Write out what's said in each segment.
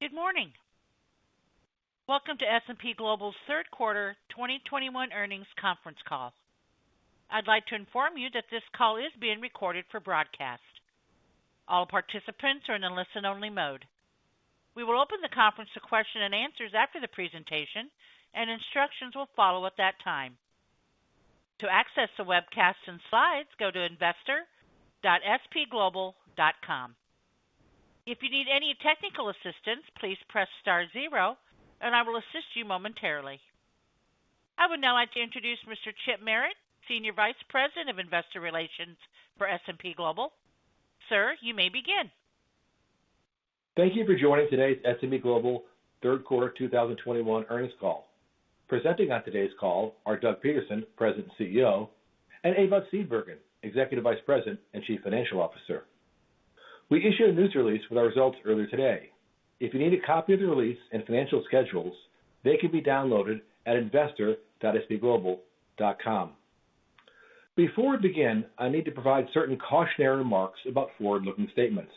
Good morning. Welcome to S&P Global's third quarter 2021 earnings conference call. I'd like to inform you that this call is being recorded for broadcast. All participants are in a listen-only mode. We will open the conference to question and answers after the presentation, and instructions will follow at that time. To access the webcast and slides, go to investor.spglobal.com. If you need any technical assistance, please press star zero, and I will assist you momentarily. I would now like to introduce Mr. Chip Merritt, Senior Vice President of Investor Relations for S&P Global. Sir, you may begin. Thank you for joining today's S&P Global third quarter 2021 earnings call. Presenting on today's call are Doug Peterson, President, Chief Executive Officer, and Ewout Steenbergen, Executive Vice President and Chief Financial Officer. We issued a news release with our results earlier today. If you need a copy of the release and financial schedules, they can be downloaded at investor.spglobal.com. Before we begin, I need to provide certain cautionary remarks about forward-looking statements.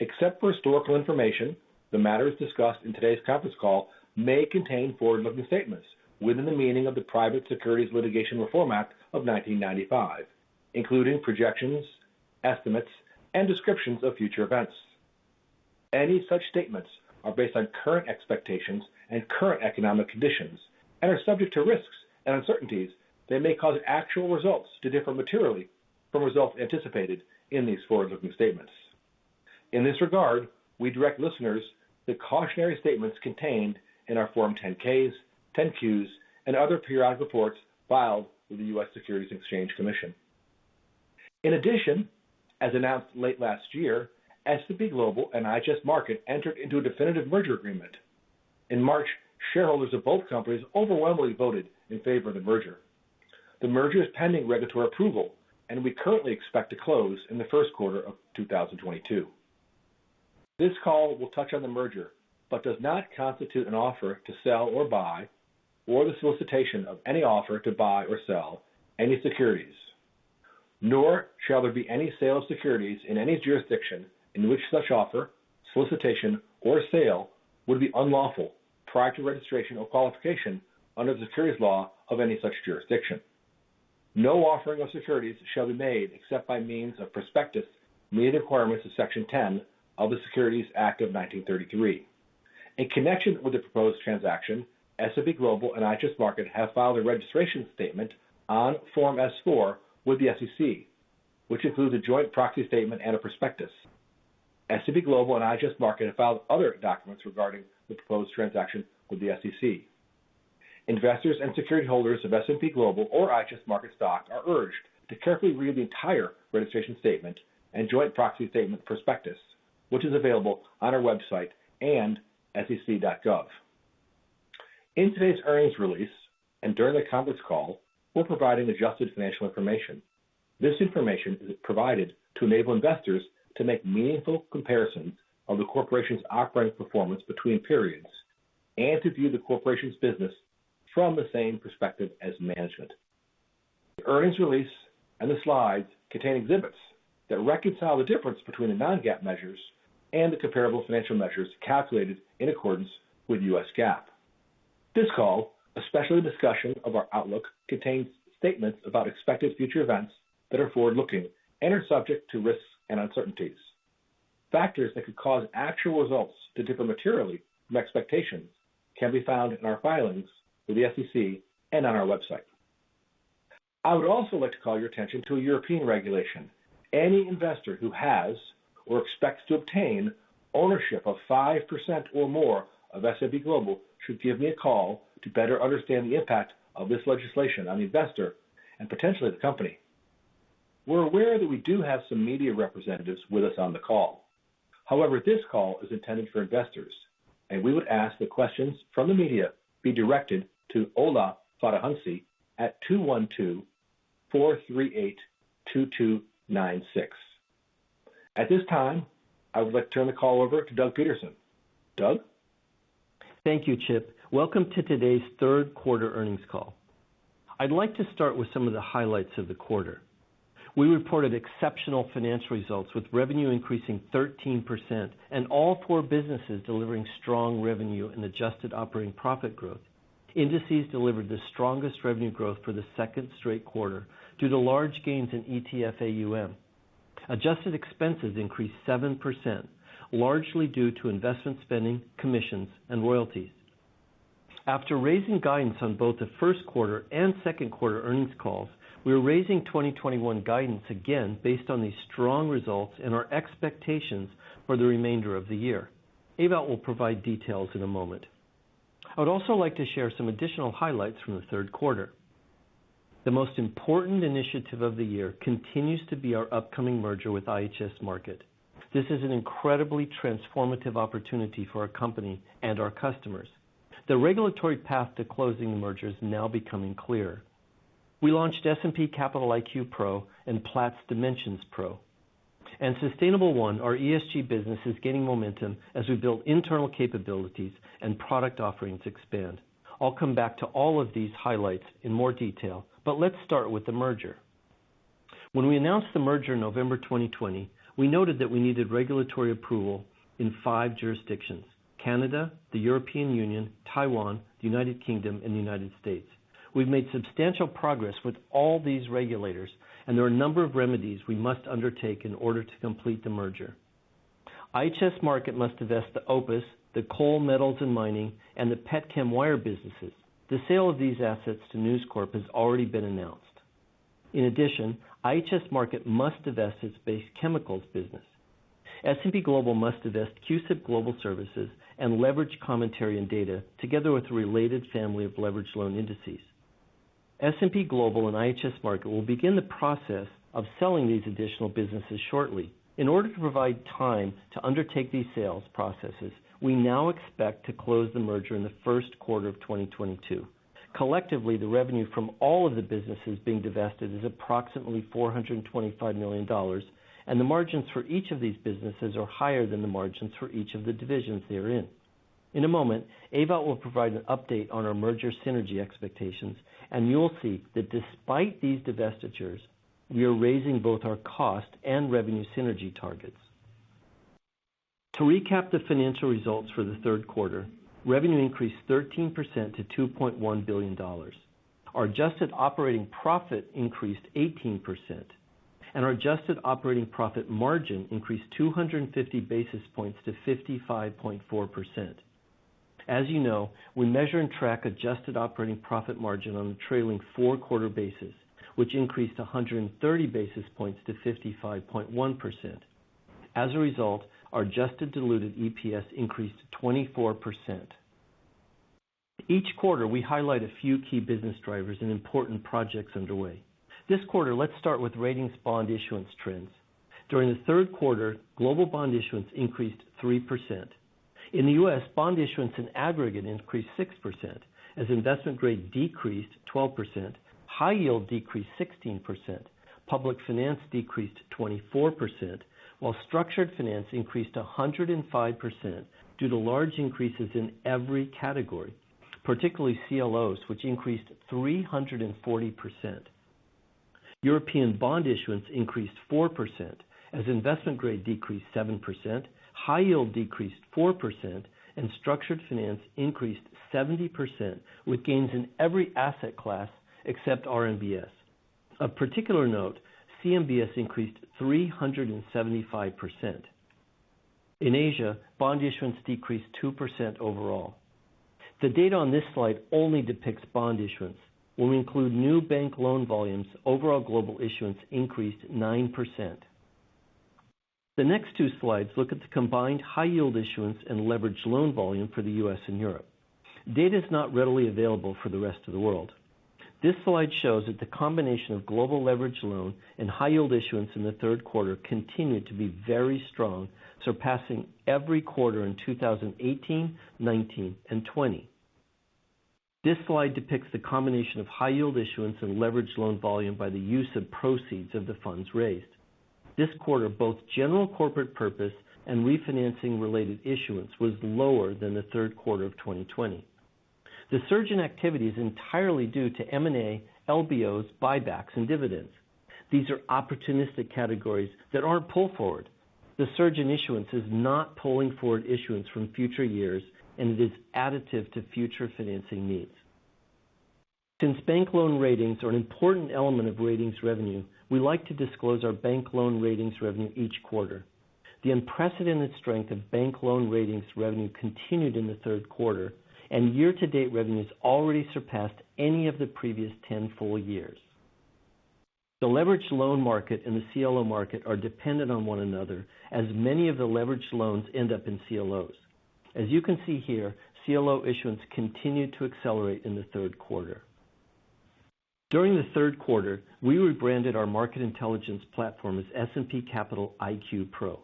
Except for historical information, the matters discussed in today's conference call may contain forward-looking statements within the meaning of the Private Securities Litigation Reform Act of 1995, including projections, estimates, and descriptions of future events. Any such statements are based on current expectations and current economic conditions and are subject to risks and uncertainties that may cause actual results to differ materially from results anticipated in these forward-looking statements. In this regard, we direct listeners to the cautionary statements contained in our Form 10-Ks, 10-Qs, and other periodic reports filed with the U.S. Securities and Exchange Commission. In addition, as announced late last year, S&P Global and IHS Markit entered into a definitive merger agreement. In March, shareholders of both companies overwhelmingly voted in favor of the merger. The merger is pending regulatory approval, and we currently expect to close in the first quarter of 2022. This call will touch on the merger, but does not constitute an offer to sell or buy, or the solicitation of any offer to buy or sell any securities. Nor shall there be any sale of securities in any jurisdiction in which such offer, solicitation, or sale would be unlawful prior to registration or qualification under the securities law of any such jurisdiction. No offering of securities shall be made except by means of prospectus meeting the requirements of Section 10 of the Securities Act of 1933. In connection with the proposed transaction, S&P Global and IHS Markit have filed a registration statement on Form S-4 with the SEC, which includes a joint proxy statement and a prospectus. S&P Global and IHS Markit have filed other documents regarding the proposed transaction with the SEC. Investors and security holders of S&P Global or IHS Markit stock are urged to carefully read the entire registration statement and joint proxy statement prospectus, which is available on our website and sec.gov. In today's earnings release and during the conference call, we'll provide an adjusted financial information. This information is provided to enable investors to make meaningful comparisons of the corporation's operating performance between periods and to view the corporation's business from the same perspective as management. The earnings release and the slides contain exhibits that reconcile the difference between the non-GAAP measures and the comparable financial measures calculated in accordance with U.S. GAAP. This call, especially discussion of our outlook, contains statements about expected future events that are forward-looking and are subject to risks and uncertainties. Factors that could cause actual results to differ materially from expectations can be found in our filings with the SEC and on our website. I would also like to call your attention to a European regulation. Any investor who has or expects to obtain ownership of 5% or more of S&P Global should give me a call to better understand the impact of this legislation on the investor and potentially the company. We're aware that we do have some media representatives with us on the call. However, this call is intended for investors, and we would ask that questions from the media be directed to Ola Fadahunsi at two one two-four three eight-two nine six. At this time, I would like to turn the call over to Doug Peterson. Doug? Thank you, Chip. Welcome to today's third quarter earnings call. I'd like to start with some of the highlights of the quarter. We reported exceptional financial results, with revenue increasing 13% and all four businesses delivering strong revenue and adjusted operating profit growth. Indices delivered the strongest revenue growth for the second straight quarter due to large gains in ETF AUM. Adjusted expenses increased 7%, largely due to investment spending, commissions, and royalties. After raising guidance on both the first quarter and second quarter earnings calls, we are raising 2021 guidance again based on these strong results and our expectations for the remainder of the year. Ewout will provide details in a moment. I would also like to share some additional highlights from the third quarter. The most important initiative of the year continues to be our upcoming merger with IHS Markit. This is an incredibly transformative opportunity for our company and our customers. The regulatory path to closing the merger is now becoming clearer. We launched S&P Capital IQ Pro and Platts Dimensions Pro. Sustainable1, our ESG business, is gaining momentum as we build internal capabilities and product offerings expand. I'll come back to all of these highlights in more detail, but let's start with the merger. When we announced the merger in November 2020, we noted that we needed regulatory approval in five jurisdictions, Canada, the European Union, Taiwan, the United Kingdom, and the United States. We've made substantial progress with all these regulators, and there are a number of remedies we must undertake in order to complete the merger. IHS Markit must divest the OPIS, the Base Chemicals, and the PetroChem Wire businesses. The sale of these assets to News Corp has already been announced. In addition, IHS Markit must divest its Base Chemicals business. S&P Global must divest CUSIP Global Services and Leveraged Commentary & Data together with a related family of leveraged loan indices. S&P Global and IHS Markit will begin the process of selling these additional businesses shortly. In order to provide time to undertake these sales processes, we now expect to close the merger in the first quarter of 2022. Collectively, the revenue from all of the businesses being divested is approximately $425 million, and the margins for each of these businesses are higher than the margins for each of the divisions they are in. In a moment, Ewout will provide an update on our merger synergy expectations, and you will see that despite these divestitures, we are raising both our cost and revenue synergy targets. To recap the financial results for the third quarter, revenue increased 13% to $2.1 billion. Our adjusted operating profit increased 18%, and our adjusted operating profit margin increased 250 basis points to 55.4%. As you know, we measure and track adjusted operating profit margin on a trailing four-quarter basis, which increased 130 basis points to 55.1%. As a result, our adjusted diluted EPS increased 24%. Each quarter, we highlight a few key business drivers and important projects underway. This quarter, let's start with ratings bond issuance trends. During the third quarter, global bond issuance increased 3%. In the U.S., bond issuance in aggregate increased 6% as investment grade decreased 12%, high yield decreased 16%, public finance decreased 24%, while structured finance increased 105% due to large increases in every category, particularly CLOs, which increased 340%. European bond issuance increased 4% as investment grade decreased 7%, high yield decreased 4%, and structured finance increased 70% with gains in every asset class except RMBS. Of particular note, CMBS increased 375%. In Asia, bond issuance decreased 2% overall. The data on this slide only depicts bond issuance. When we include new bank loan volumes, overall global issuance increased 9%. The next two slides look at the combined high yield issuance and leveraged loan volume for the U.S. and Europe. Data is not readily available for the rest of the world. This slide shows that the combination of global leveraged loan and high yield issuance in the third quarter continued to be very strong, surpassing every quarter in 2018, 2019, and 2020. This slide depicts the combination of high yield issuance and leveraged loan volume by the use of proceeds of the funds raised. This quarter, both general corporate purpose and refinancing related issuance was lower than the third quarter of 2020. The surge in activity is entirely due to M&A, LBOs, buybacks, and dividends. These are opportunistic categories that aren't pull forward. The surge in issuance is not pulling forward issuance from future years, and it is additive to future financing needs. Since bank loan ratings are an important element of ratings revenue, we like to disclose our bank loan ratings revenue each quarter. The unprecedented strength of bank loan ratings revenue continued in the third quarter and year-to-date revenue has already surpassed any of the previous 10 full years. The leveraged loan market and the CLO market are dependent on one another as many of the leveraged loans end up in CLOs. As you can see here, CLO issuance continued to accelerate in the third quarter. During the third quarter, we rebranded our market intelligence platform as S&P Capital IQ Pro.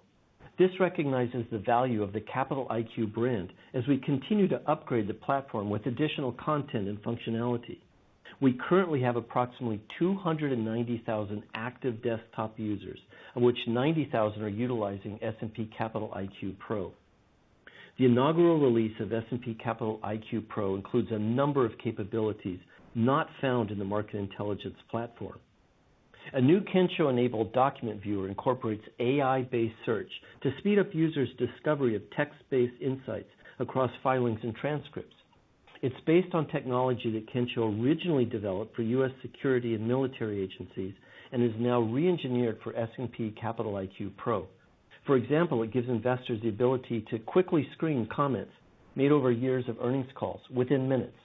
This recognizes the value of the Capital IQ brand as we continue to upgrade the platform with additional content and functionality. We currently have approximately 290,000 active desktop users, of which 90,000 are utilizing S&P Capital IQ Pro. The inaugural release of S&P Capital IQ Pro includes a number of capabilities not found in the market intelligence platform. A new Kensho-enabled document viewer incorporates AI-based search to speed up users' discovery of text-based insights across filings and transcripts. It's based on technology that Kensho originally developed for U.S. security and military agencies and is now re-engineered for S&P Capital IQ Pro. For example, it gives investors the ability to quickly screen comments made over years of earnings calls within minutes.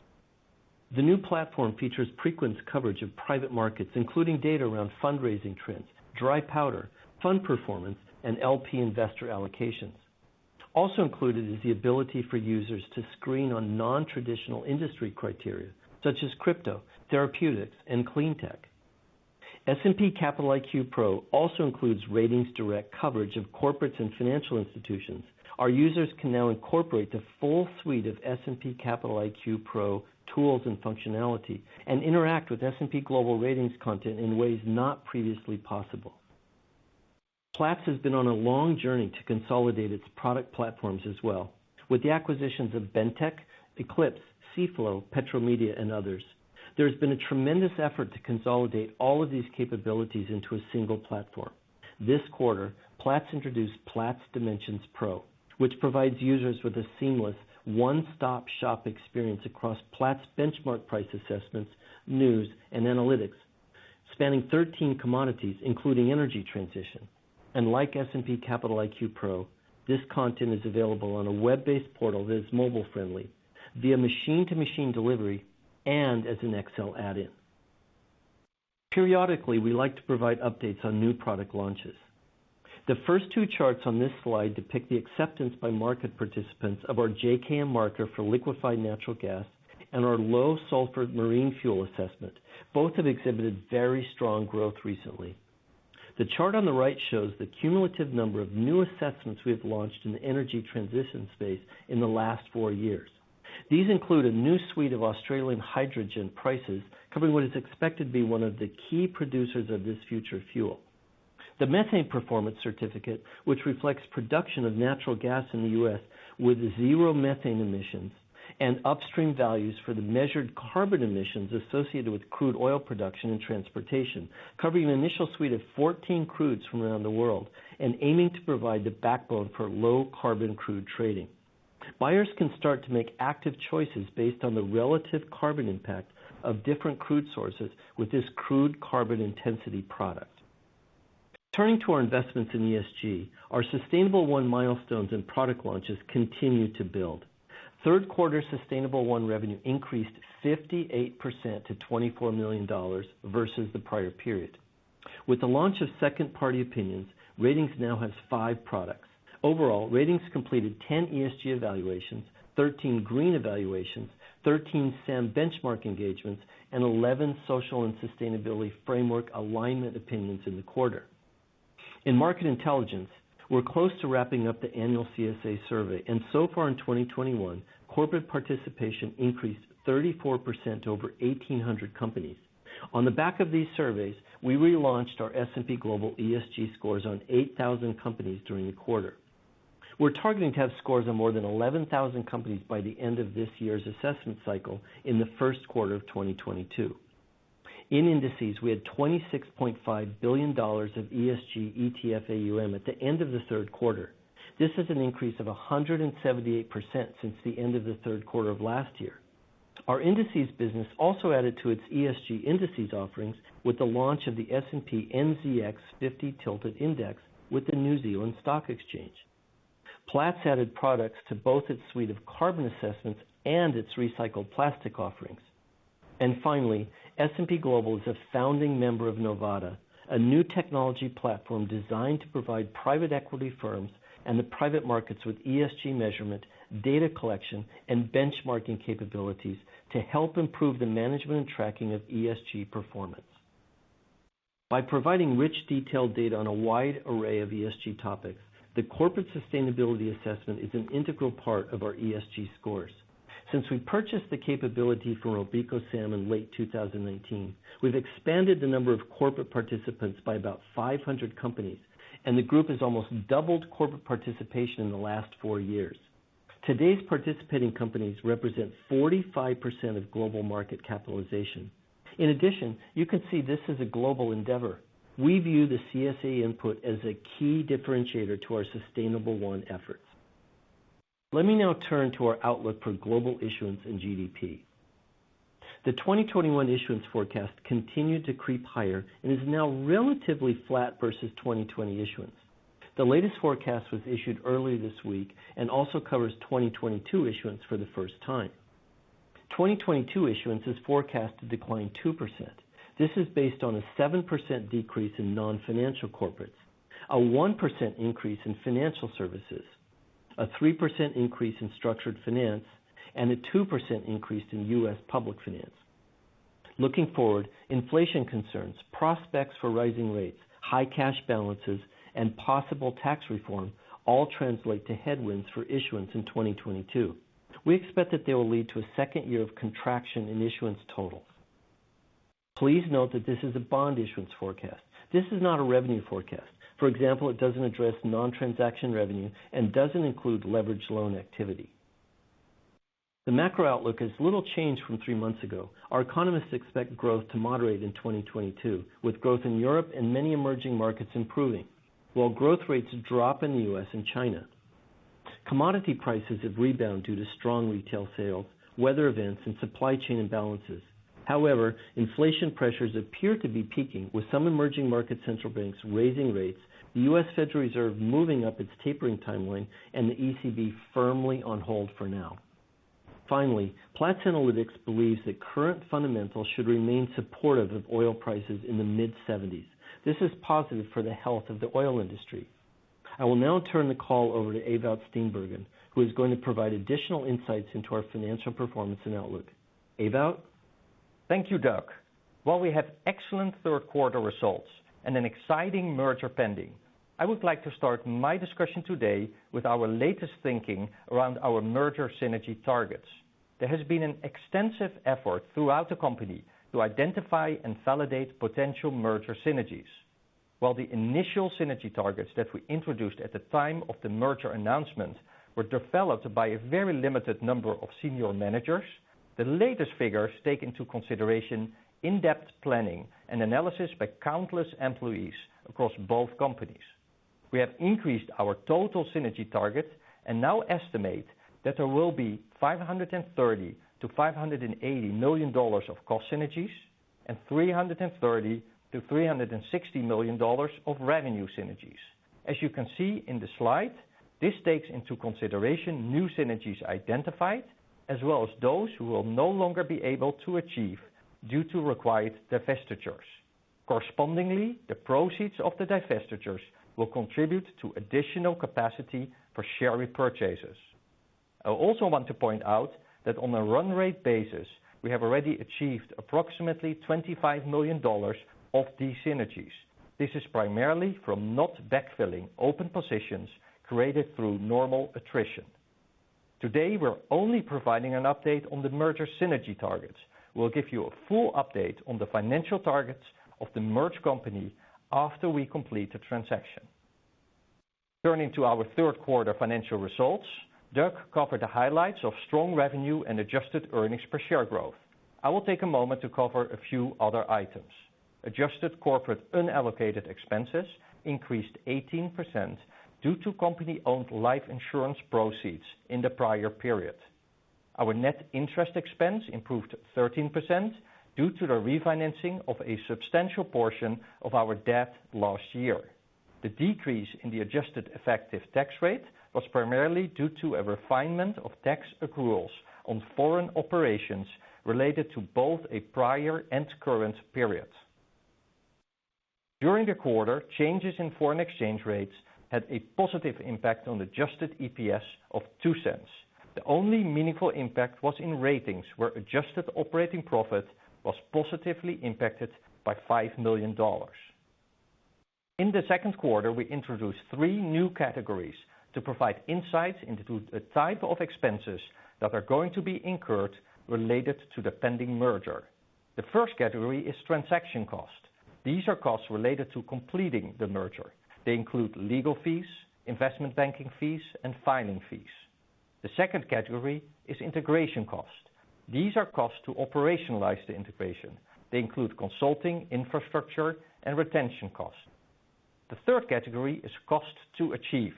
The new platform features Preqin's coverage of private markets, including data around fundraising trends, dry powder, fund performance, and LP investor allocations. Also included is the ability for users to screen on non-traditional industry criteria such as crypto, therapeutics, and clean tech. S&P Capital IQ Pro also includes RatingsDirect coverage of corporates and financial institutions. Our users can now incorporate the full suite of S&P Capital IQ Pro tools and functionality and interact with S&P Global ratings content in ways not previously possible. Platts has been on a long journey to consolidate its product platforms as well. With the acquisitions of Bentek, Eclipse, cFlow, Petromedia, and others, there's been a tremendous effort to consolidate all of these capabilities into a single platform. This quarter, Platts introduced Platts Dimensions Pro, which provides users with a seamless one-stop shop experience across Platts benchmark price assessments, news, and analytics, spanning 13 commodities, including energy transition. Like S&P Capital IQ Pro, this content is available on a web-based portal that is mobile-friendly via machine-to-machine delivery and as an Excel add-in. Periodically, we like to provide updates on new product launches. The first two charts on this slide depict the acceptance by market participants of our JKM marker for liquefied natural gas and our low sulfur marine fuel assessment. Both have exhibited very strong growth recently. The chart on the right shows the cumulative number of new assessments we have launched in the energy transition space in the last four years. These include a new suite of Australian hydrogen prices, covering what is expected to be one of the key producers of this future fuel. The Methane Performance Certificate, which reflects production of natural gas in the U.S. with zero methane emissions and upstream values for the measured carbon emissions associated with crude oil production and transportation, covering an initial suite of 14 crudes from around the world and aiming to provide the backbone for low carbon crude trading. Buyers can start to make active choices based on the relative carbon impact of different crude sources with this crude carbon intensity product. Turning to our investments in ESG, our Sustainable1 milestones and product launches continue to build. Third quarter Sustainable1 revenue increased 58% to $24 million versus the prior period. With the launch of second-party opinions, Ratings now has five products. Overall, Ratings completed 10 ESG evaluations, 13 green evaluations, 13 SAM benchmark engagements, and 11 social and sustainability framework alignment opinions in the quarter. In market intelligence, we're close to wrapping up the annual CSA survey, and so far in 2021, corporate participation increased 34% to over 1,800 companies. On the back of these surveys, we relaunched our S&P Global ESG Scores on 8,000 companies during the quarter. We're targeting to have scores on more than 11,000 companies by the end of this year's assessment cycle in the first quarter of 2022. In indices, we had $26.5 billion of ESG ETF AUM at the end of the third quarter. This is an increase of 178% since the end of the third quarter of last year. Our indices business also added to its ESG indices offerings with the launch of the S&P NZX 50 Tilted Index with the New Zealand Exchange. Platts added products to both its suite of carbon assessments and its recycled plastic offerings. Finally, S&P Global is a founding member of Novata, a new technology platform designed to provide private equity firms and the private markets with ESG measurement, data collection, and benchmarking capabilities to help improve the management and tracking of ESG performance. By providing rich, detailed data on a wide array of ESG topics, The Corporate Sustainability Assessment is an integral part of our ESG scores. Since we purchased the capability from RobecoSAM in late 2019, we've expanded the number of corporate participants by about 500 companies, and the group has almost doubled corporate participation in the last four years. Today's participating companies represent 45% of global market capitalization. In addition, you can see this is a global endeavor. We view the CSA input as a key differentiator to our Sustainable1 efforts. Let me now turn to our outlook for global issuance and GDP. The 2021 issuance forecast continued to creep higher and is now relatively flat versus 2020 issuance. The latest forecast was issued earlier this week and also covers 2022 issuance for the first time. 2022 issuance is forecast to decline 2%. This is based on a 7% decrease in non-financial corporates, a 1% increase in financial services, a 3% increase in structured finance, and a 2% increase in U.S. public finance. Looking forward, inflation concerns, prospects for rising rates, high cash balances, and possible tax reform all translate to headwinds for issuance in 2022. We expect that they will lead to a second year of contraction in issuance totals. Please note that this is a bond issuance forecast. This is not a revenue forecast. For example, it doesn't address non-transaction revenue and doesn't include leveraged loan activity. The macro outlook is little changed from three months ago. Our economists expect growth to moderate in 2022, with growth in Europe and many emerging markets improving, while growth rates drop in the U.S. and China. Commodity prices have rebounded due to strong retail sales, weather events, and supply chain imbalances. However, inflation pressures appear to be peaking, with some emerging market central banks raising rates, the U.S. Federal Reserve moving up its tapering timeline, and the ECB firmly on hold for now. Finally, Platts Analytics believes that current fundamentals should remain supportive of oil prices in the mid-seventies. This is positive for the health of the oil industry. I will now turn the call over to Ewout Steenbergen, who is going to provide additional insights into our financial performance and outlook. Ewout? Thank you, Doug. While we have excellent third quarter results and an exciting merger pending, I would like to start my discussion today with our latest thinking around our merger synergy targets. There has been an extensive effort throughout the company to identify and validate potential merger synergies. While the initial synergy targets that we introduced at the time of the merger announcement were developed by a very limited number of senior managers, the latest figures take into consideration in-depth planning and analysis by countless employees across both companies. We have increased our total synergy target and now estimate that there will be $530 million-$580 million of cost synergies and $330 million-$360 million of revenue synergies. As you can see in the slide, this takes into consideration new synergies identified, as well as those who will no longer be able to achieve due to required divestitures. Correspondingly, the proceeds of the divestitures will contribute to additional capacity for share repurchases. I also want to point out that on a run rate basis, we have already achieved approximately $25 million of these synergies. This is primarily from not backfilling open positions created through normal attrition. Today, we're only providing an update on the merger synergy targets. We'll give you a full update on the financial targets of the merged company after we complete the transaction. Turning to our third quarter financial results, Doug covered the highlights of strong revenue and adjusted earnings per share growth. I will take a moment to cover a few other items. Adjusted corporate unallocated expenses increased 18% due to company-owned life insurance proceeds in the prior period. Our net interest expense improved 13% due to the refinancing of a substantial portion of our debt last year. The decrease in the adjusted effective tax rate was primarily due to a refinement of tax accruals on foreign operations related to both a prior and current period. During the quarter, changes in foreign exchange rates had a positive impact on adjusted EPS of $0.02. The only meaningful impact was in ratings, where adjusted operating profit was positively impacted by $5 million. In the second quarter, we introduced three new categories to provide insights into the type of expenses that are going to be incurred related to the pending merger. The first category is transaction cost. These are costs related to completing the merger. They include legal fees, investment banking fees, and filing fees. The second category is integration cost. These are costs to operationalize the integration. They include consulting, infrastructure, and retention costs. The third category is cost to achieve.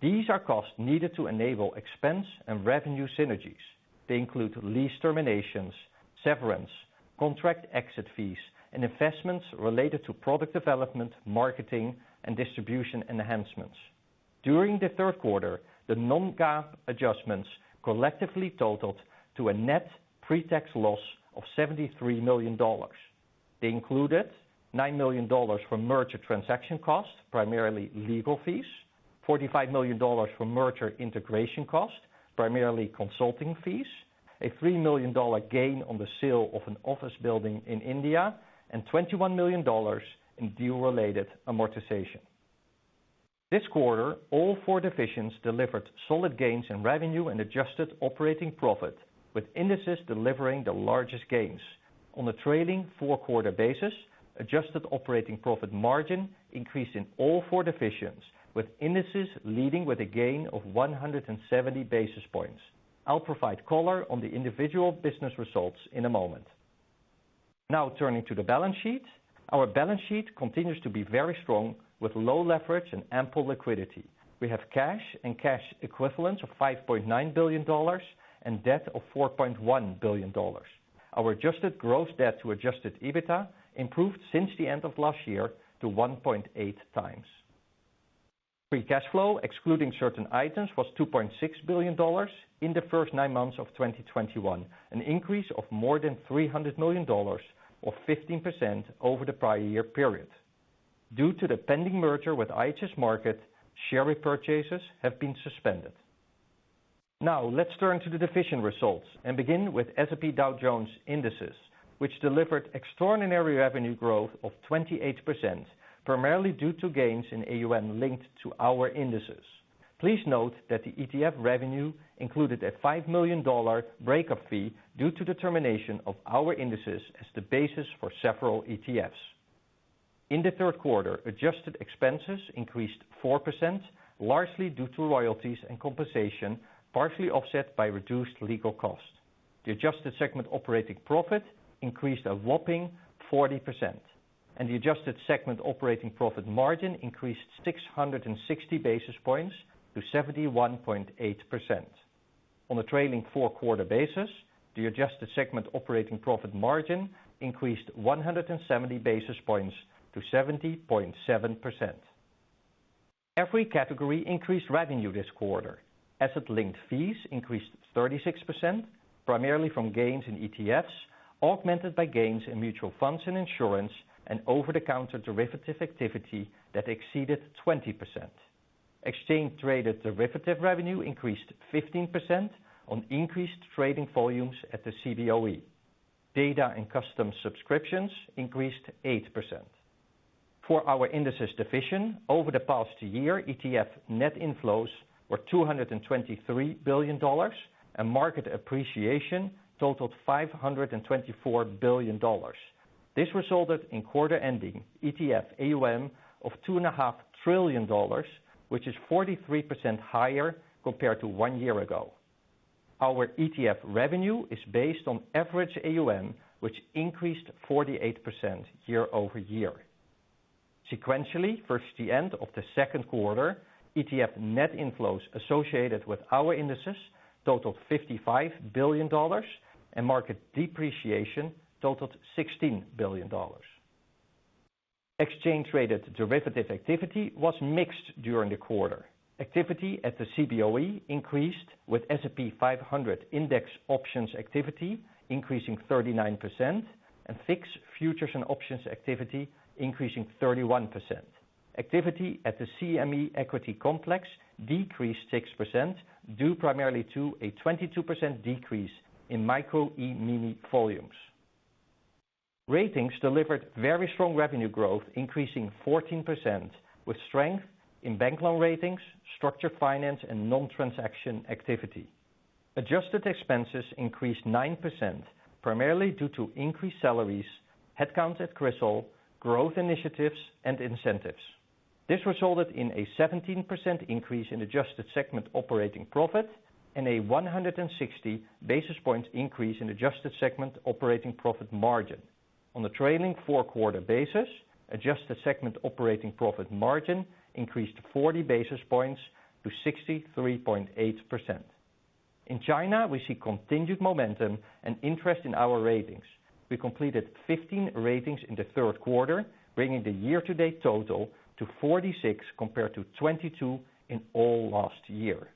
These are costs needed to enable expense and revenue synergies. They include lease terminations, severance, contract exit fees, and investments related to product development, marketing, and distribution enhancements. During the third quarter, the non-GAAP adjustments collectively totaled to a net pre-tax loss of $73 million. They included $9 million from merger transaction costs, primarily legal fees. $45 million from merger integration costs, primarily consulting fees. A $3 million gain on the sale of an office building in India, and $21 million in deal-related amortization. This quarter, all four divisions delivered solid gains in revenue and adjusted operating profit, with Indices delivering the largest gains. On a trailing four-quarter basis, adjusted operating profit margin increased in all four divisions, with Indices leading with a gain of 170 basis points. I'll provide color on the individual business results in a moment. Now turning to the balance sheet. Our balance sheet continues to be very strong with low leverage and ample liquidity. We have cash and cash equivalents of $5.9 billion and debt of $4.1 billion. Our adjusted gross debt to adjusted EBITDA improved since the end of last year to 1.8x. Free cash flow, excluding certain items, was $2.6 billion in the first nine months of 2021, an increase of more than $300 million or 15% over the prior year period. Due to the pending merger with IHS Markit, share repurchases have been suspended. Now let's turn to the division results and begin with S&P Dow Jones Indices, which delivered extraordinary revenue growth of 28%, primarily due to gains in AUM linked to our indices. Please note that the ETF revenue included a $5 million breakup fee due to the termination of our indices as the basis for several ETFs. In the third quarter, adjusted expenses increased 4%, largely due to royalties and compensation, partially offset by reduced legal costs. The adjusted segment operating profit increased a whopping 40%, and the adjusted segment operating profit margin increased 660 basis points to 71.8%. On a trailing four-quarter basis, the adjusted segment operating profit margin increased 170 basis points to 70.7%. Every category increased revenue this quarter. Asset-linked fees increased 36%, primarily from gains in ETFs, augmented by gains in mutual funds and insurance, and over-the-counter derivative activity that exceeded 20%. Exchange-traded derivative revenue increased 15% on increased trading volumes at the CBOE Data and custom subscriptions increased 8%. For our indices division over the past year, ETF net inflows were $223 billion and market appreciation totaled $524 billion. This resulted in quarter-ending ETF AUM of $2.5 trillion, which is 43% higher compared to one year ago. Our ETF revenue is based on average AUM, which increased 48% year-over-year. Sequentially, versus the end of the second quarter, ETF net inflows associated with our indices totaled $55 billion and market depreciation totaled $16 billion. Exchange-traded derivative activity was mixed during the quarter. Activity at the CBOE increased with S&P 500 index options activity increasing 39% and VIX futures and options activity increasing 31%. Activity at the CME equity complex decreased 6% due primarily to a 22% decrease in Micro E-mini volumes. Ratings delivered very strong revenue growth, increasing 14% with strength in bank loan ratings, structured finance and non-transaction activity. Adjusted expenses increased 9% primarily due to increased salaries, headcount at CRISIL, growth initiatives, and incentives. This resulted in a 17% increase in adjusted segment operating profit and a 160 basis points increase in adjusted segment operating profit margin. On the trailing four-quarter basis, adjusted segment operating profit margin increased 40 basis points to 63.8%. In China, we see continued momentum and interest in our ratings. We completed 15 ratings in the third quarter, bringing the year-to-date total to 46 compared to 22 in all last year.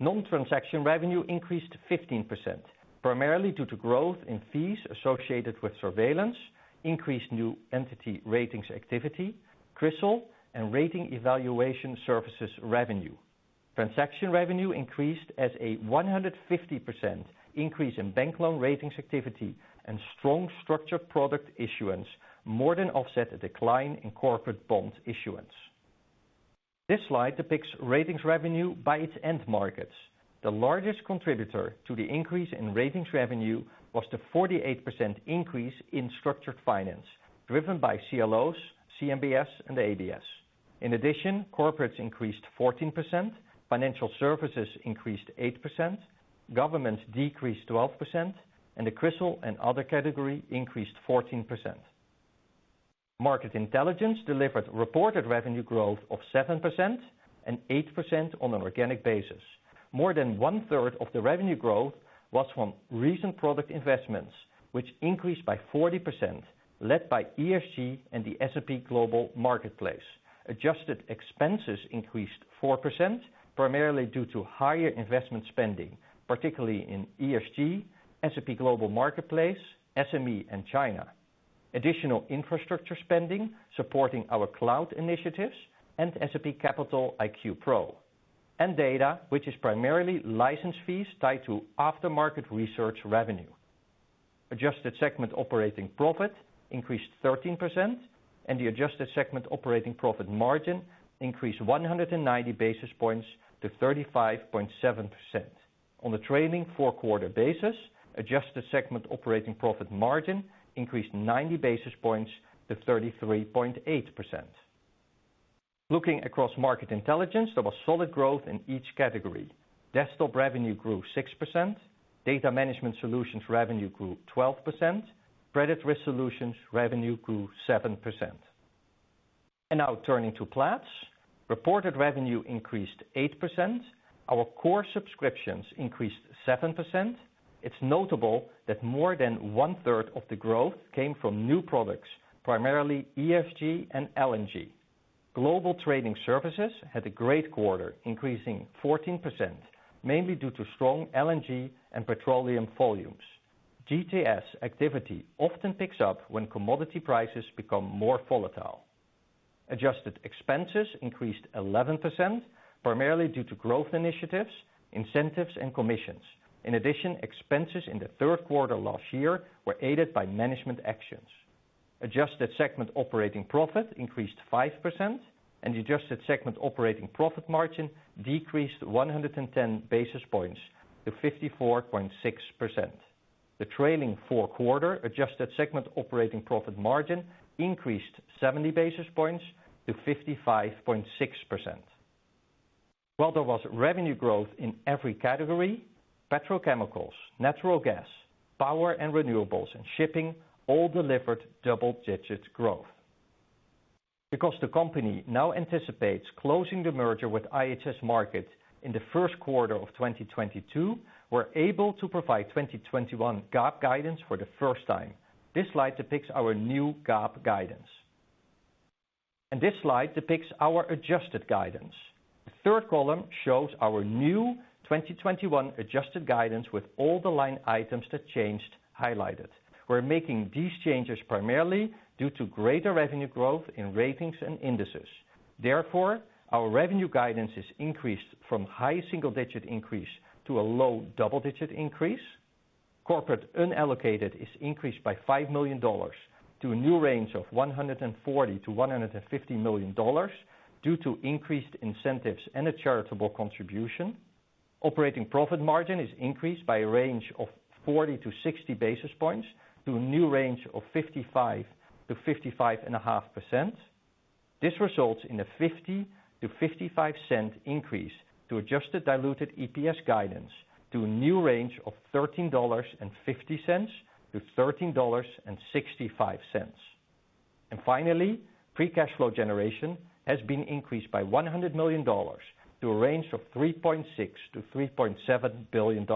Non-transaction revenue increased 15%, primarily due to growth in fees associated with surveillance, increased new entity ratings activity, CRISIL and rating evaluation services revenue. Transaction revenue increased as a 100% increase in bank loan ratings activity and strong structured product issuance more than offset a decline in corporate bond issuance. This slide depicts ratings revenue by its end markets. The largest contributor to the increase in ratings revenue was the 48% increase in structured finance driven by CLOs, CMBS, and ABS. In addition, corporates increased 14%, financial services increased 8%, governments decreased 12%, and the CRISIL and other category increased 14%. Market Intelligence delivered reported revenue growth of 7% and 8% on an organic basis. More than 1/3 of the revenue growth was from recent product investments, which increased by 40%, led by ESG and the S&P Global Marketplace. Adjusted expenses increased 4%, primarily due to higher investment spending, particularly in ESG, S&P Global Marketplace, SME and China. Additional infrastructure spending supporting our cloud initiatives and S&P Capital IQ Pro and data, which is primarily license fees tied to after-market research revenue. Adjusted segment operating profit increased 13% and the adjusted segment operating profit margin increased 190 basis points to 35.7%. On the trailing four-quarter basis, adjusted segment operating profit margin increased 90 basis points to 33.8%. Looking across Market Intelligence, there was solid growth in each category. Desktop revenue grew 6%. Data management solutions revenue grew 12%. Credit risk solutions revenue grew 7%. Now turning to Platts. Reported revenue increased 8%. Our core subscriptions increased 7%. It's notable that more than one-third of the growth came from new products, primarily ESG and LNG. Global trading services had a great quarter, increasing 14%, mainly due to strong LNG and petroleum volumes. GTS activity often picks up when commodity prices become more volatile. Adjusted expenses increased 11%, primarily due to growth initiatives, incentives, and commissions. In addition, expenses in the third quarter last year were aided by management actions. Adjusted segment operating profit increased 5% and adjusted segment operating profit margin decreased 110 basis points to 54.6%. The trailing four-quarter adjusted segment operating profit margin increased 70 basis points to 55.6%. While there was revenue growth in every category, petrochemicals, natural gas, power and renewables, and shipping all delivered double-digit growth. Because the company now anticipates closing the merger with IHS Markit in the first quarter of 2022, we're able to provide 2021 GAAP guidance for the first time. This slide depicts our new GAAP guidance. This slide depicts our adjusted guidance. The third column shows our new 2021 adjusted guidance with all the line items that changed highlighted. We're making these changes primarily due to greater revenue growth in ratings and indices. Therefore, our revenue guidance is increased from high single-digit increase to a low double-digit increase. Corporate unallocated is increased by $5 million to a new range of $140 million-$150 million due to increased incentives and a charitable contribution. Operating profit margin is increased by a range of 40-60 basis points to a new range of 55%-55.5%. This results in a $0.50- to $0.55 increase to adjusted diluted EPS guidance to a new range of $13.50-$13.65. Finally, free cash flow generation has been increased by $100 million to a range of $3.6 billion-$3.7 billion.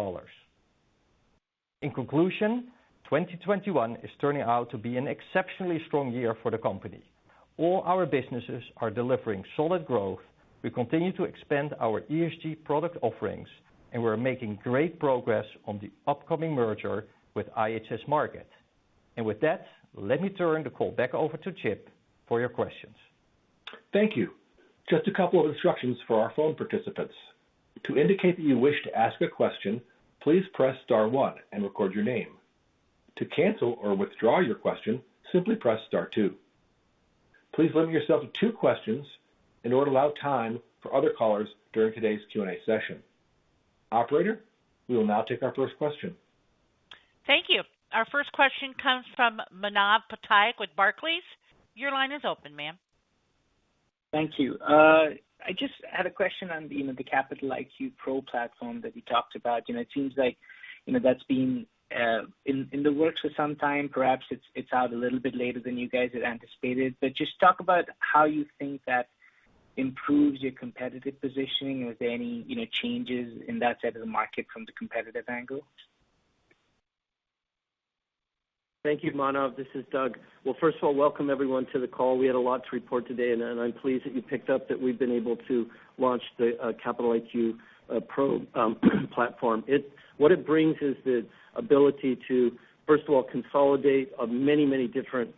In conclusion, 2021 is turning out to be an exceptionally strong year for the company. All our businesses are delivering solid growth. We continue to expand our ESG product offerings, and we're making great progress on the upcoming merger with IHS Markit. With that, let me turn the call back over to Chip for your questions. Thank you. Just a couple of instructions for our phone participants. To indicate that you wish to ask a question, please press star one and record your name. To cancel or withdraw your question, simply press star two. Please limit yourself to two questions in order to allow time for other callers during today's Q&A session. Operator, we will now take our first question. Thank you. Our first question comes from Manav Patnaik with Barclays, your line is open, Manav. Thank you. I just had a question on, you know, the Capital IQ Pro platform that you talked about. You know, it seems like, you know, that's been in the works for some time. Perhaps it's out a little bit later than you guys had anticipated. But just talk about how you think that improves your competitive positioning. Are there any, you know, changes in that side of the market from the competitive angle? Thank you, Manav. This is Doug. Well, first of all, welcome everyone to the call. We had a lot to report today, and I'm pleased that you picked up that we've been able to launch the S&P Capital IQ Pro platform. What it brings is the ability to, first of all, consolidate many different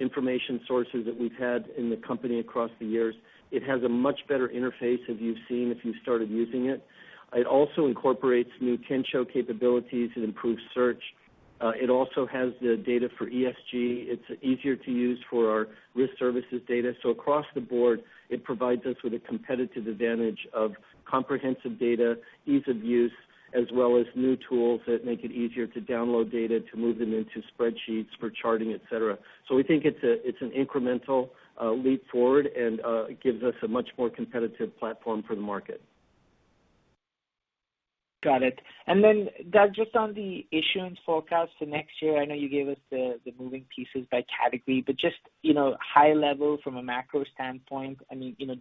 information sources that we've had in the company across the years. It has a much better interface, as you've seen, if you started using it. It also incorporates new Kensho capabilities and improved search. It also has the data for ESG. It's easier to use for our risk services data. Across the board, it provides us with a competitive advantage of comprehensive data, ease of use, as well as new tools that make it easier to download data, to move them into spreadsheets for charting, et cetera. We think it's an incremental leap forward, and it gives us a much more competitive platform for the market. Got it. Then, Doug, just on the issuance forecast for next year, I know you gave us the moving pieces by category, but just, you know, high level from a macro standpoint, I mean, you know,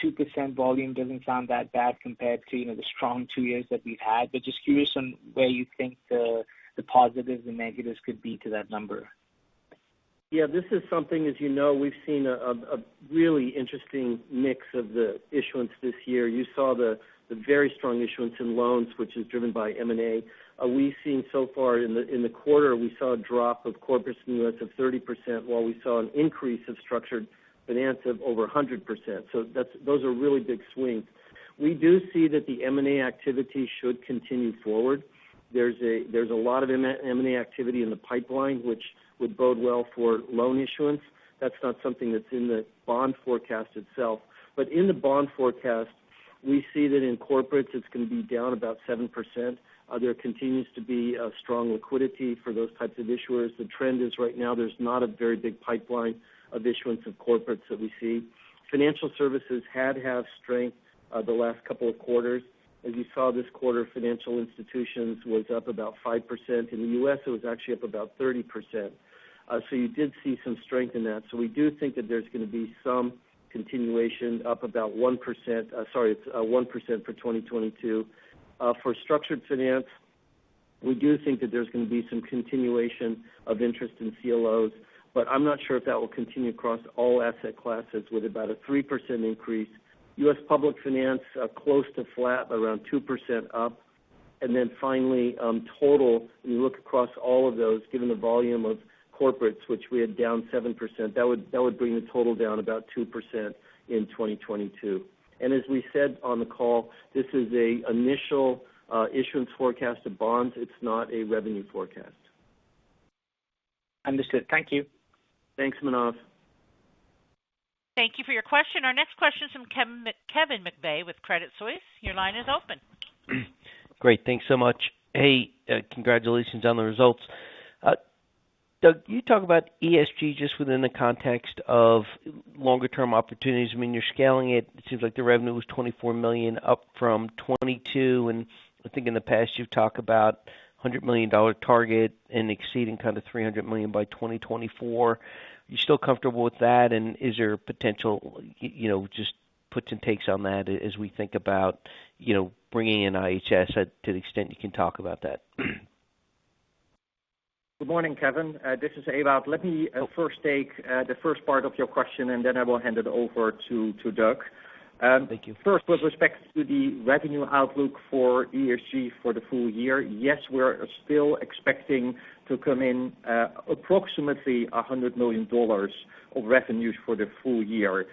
down 2% volume doesn't sound that bad compared to, you know, the strong two years that we've had. Just give me some way you think the positives and negatives could be to that number. Yeah, this is something, as you know, we've seen a really interesting mix of the issuance this year. You saw the very strong issuance in loans, which is driven by M&A. We've seen so far in the quarter, we saw a drop of corporates in the U.S. of 30%, while we saw an increase of structured finance of over 100%. Those are really big swings. We do see that the M&A activity should continue forward. There's a lot of M&A activity in the pipeline, which would bode well for loan issuance. That's not something that's in the bond forecast itself. But in the bond forecast, we see that in corporates it's gonna be down about 7%. There continues to be a strong liquidity for those types of issuers. The trend is right now there's not a very big pipeline of issuance of corporates that we see. Financial services had half strength the last couple of quarters. As you saw this quarter, financial institutions was up about 5%. In the U.S., it was actually up about 30%. You did see some strength in that. We do think that there's gonna be some continuation up about 1%. 1% for 2022. For structured finance, we do think that there's gonna be some continuation of interest in CLOs, but I'm not sure if that will continue across all asset classes with about a 3% increase. U.S. public finance close to flat, around 2% up. Then finally, total, when you look across all of those, given the volume of corporates, which we had down 7%, that would bring the total down about 2% in 2022. As we said on the call, this is an initial issuance forecast of bonds. It's not a revenue forecast. Understood. Thank you. Thanks, Manav. Thank you for your question. Our next question is from Kevin McVeigh with Credit Suisse, your line is open. Great. Thanks so much. Hey, congratulations on the results. Doug, you talk about ESG just within the context of longer-term opportunities. I mean, you're scaling it. It seems like the revenue was $24 million, up from $22 million. I think in the past, you've talked about a $100 million target and exceeding kind of $300 million by 2024. Are you still comfortable with that? Is there potential, you know, just puts and takes on that as we think about, you know, bringing in IHS to the extent you can talk about that? Good morning, Kevin. This is Ewout. Let me first take the first part of your question, and then I will hand it over to Doug. Thank you. First, with respect to the revenue outlook for ESG for the full year, yes, we're still expecting to come in approximately $100 million of revenues for the full year.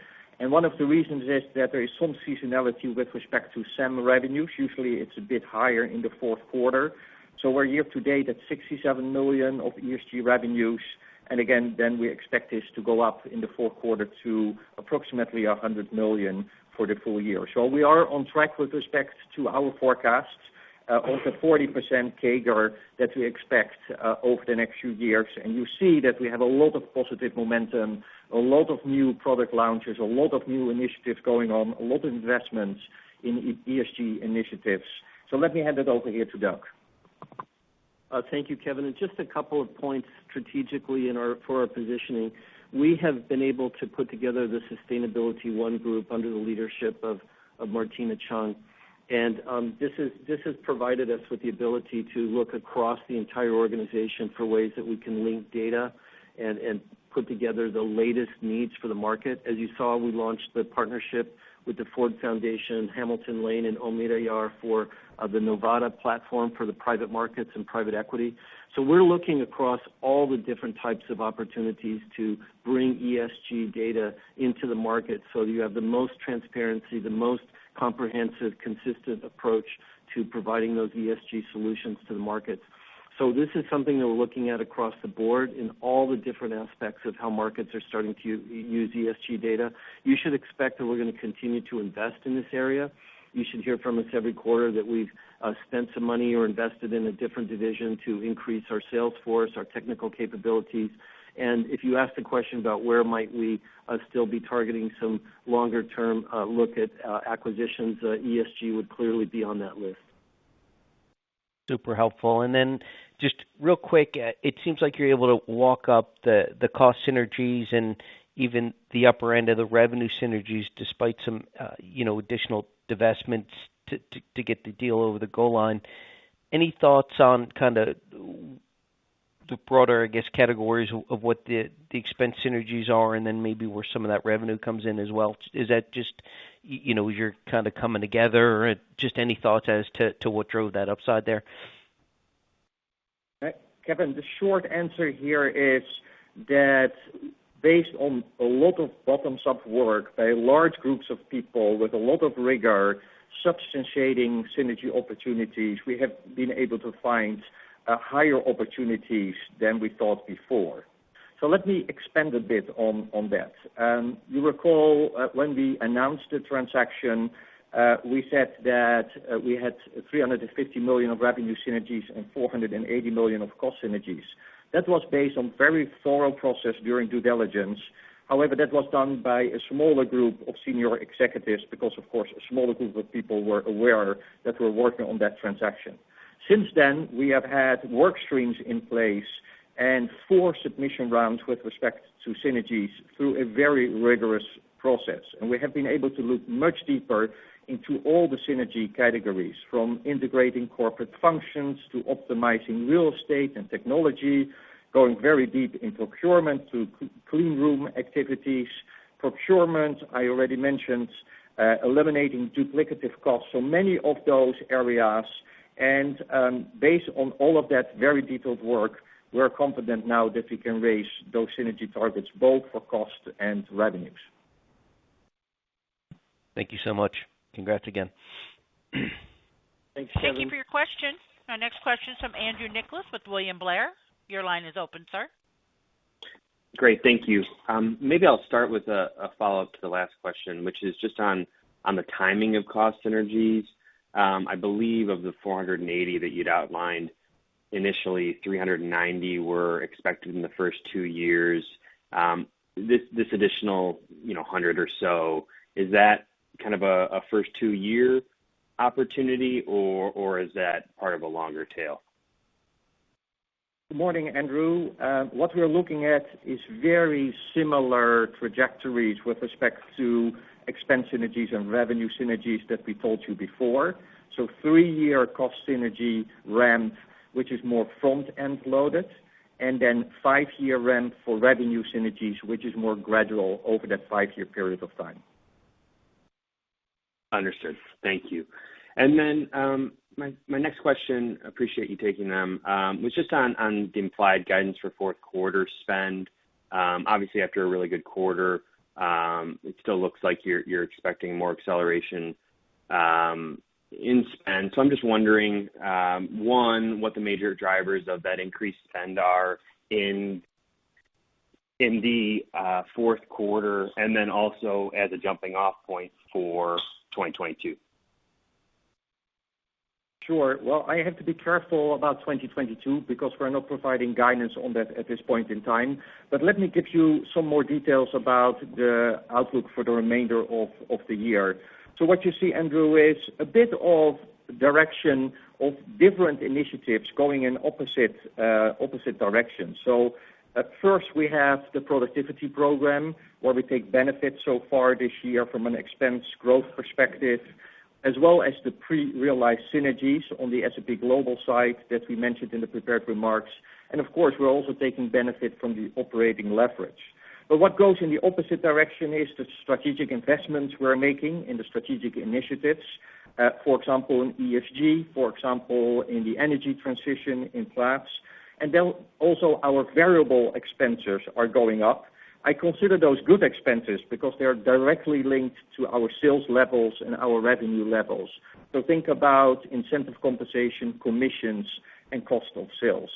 One of the reasons is that there is some seasonality with respect to SAM revenues. Usually, it's a bit higher in the fourth quarter. We're year-to-date at $67 million of ESG revenues. Again, then we expect this to go up in the fourth quarter to approximately $100 million for the full year. We are on track with respect to our forecasts, over 40% CAGR that we expect, over the next few years. You see that we have a lot of positive momentum, a lot of new product launches, a lot of new initiatives going on, a lot of investments in ESG initiatives. Let me hand it over here to Doug. Thank you, Kevin. Just a couple of points strategically for our positioning. We have been able to put together the Sustainable1 group under the leadership of Martina Cheung. This has provided us with the ability to look across the entire organization for ways that we can link data and put together the latest needs for the market. As you saw, we launched the partnership with the Ford Foundation, Hamilton Lane and Omidyar Network for the Novata platform for the private markets and private equity. We're looking across all the different types of opportunities to bring ESG data into the market so you have the most transparency, the most comprehensive, consistent approach to providing those ESG solutions to the market. This is something that we're looking at across the board in all the different aspects of how markets are starting to use ESG data. You should expect that we're gonna continue to invest in this area. You should hear from us every quarter that we've spent some money or invested in a different division to increase our sales force, our technical capabilities. If you ask the question about where might we still be targeting some longer-term look at acquisitions, ESG would clearly be on that list. Super helpful. Then just real quick, it seems like you're able to walk up the cost synergies and even the upper end of the revenue synergies despite some, you know, additional divestments to get the deal over the goal line. Any thoughts on kinda what the broader categories of what the expense synergies are, and then maybe where some of that revenue comes in as well? Is that just, you know, you're kinda coming together? Just any thoughts as to what drove that upside there? Kevin, the short answer here is that based on a lot of bottoms-up work by large groups of people with a lot of rigor, substantiating synergy opportunities, we have been able to find higher opportunities than we thought before. Let me expand a bit on that. You recall when we announced the transaction, we said that we had $350 million of revenue synergies and $480 million of cost synergies. That was based on very thorough process during due diligence. However, that was done by a smaller group of senior executives because, of course, a smaller group of people were aware that we're working on that transaction. Since then, we have had work streams in place and four submission rounds with respect to synergies through a very rigorous process. We have been able to look much deeper into all the synergy categories, from integrating corporate functions to optimizing real estate and technology, going very deep in procurement to clean room activities. Procurement, I already mentioned, eliminating duplicative costs. Many of those areas. Based on all of that very detailed work, we're confident now that we can raise those synergy targets both for cost and revenues. Thank you so much. Congrats again. Thanks, Kevin. Thank you for your question. Our next question is from Andrew Nicholas with William Blair, your line is open, sir. Great. Thank you. Maybe I'll start with a follow-up to the last question, which is just on the timing of cost synergies. I believe of the $480 million that you'd outlined, initially $390 million were expected in the first two years. This additional, you know, 100 or so, is that kind of a first two-year opportunity, or is that part of a longer tail? Good morning, Andrew. What we are looking at is very similar trajectories with respect to expense synergies and revenue synergies that we told you before. three-year cost synergy ramp, which is more front-end loaded, and then five-year ramp for revenue synergies, which is more gradual over that five-year period of time. Understood. Thank you. Then, my next question, appreciate you taking them, was just on the implied guidance for fourth quarter spend. Obviously, after a really good quarter, it still looks like you're expecting more acceleration in spend. I'm just wondering, one, what the major drivers of that increased spend are in the fourth quarter, and then also as a jumping-off point for 2022. Sure. Well, I have to be careful about 2022 because we're not providing guidance on that at this point in time. Let me give you some more details about the outlook for the remainder of the year. What you see, Andrew, is a bit of direction of different initiatives going in opposite directions. At first, we have the productivity program, where we take benefits so far this year from an expense growth perspective, as well as the pre-realized synergies on the S&P Global side that we mentioned in the prepared remarks. Of course, we're also taking benefit from the operating leverage. What goes in the opposite direction is the strategic investments we're making in the strategic initiatives, for example, in ESG, for example, in the energy transition in Platts. And then also our variable expenses are going up. I consider those good expenses because they are directly linked to our sales levels and our revenue levels. Think about incentive compensation, commissions, and cost of sales.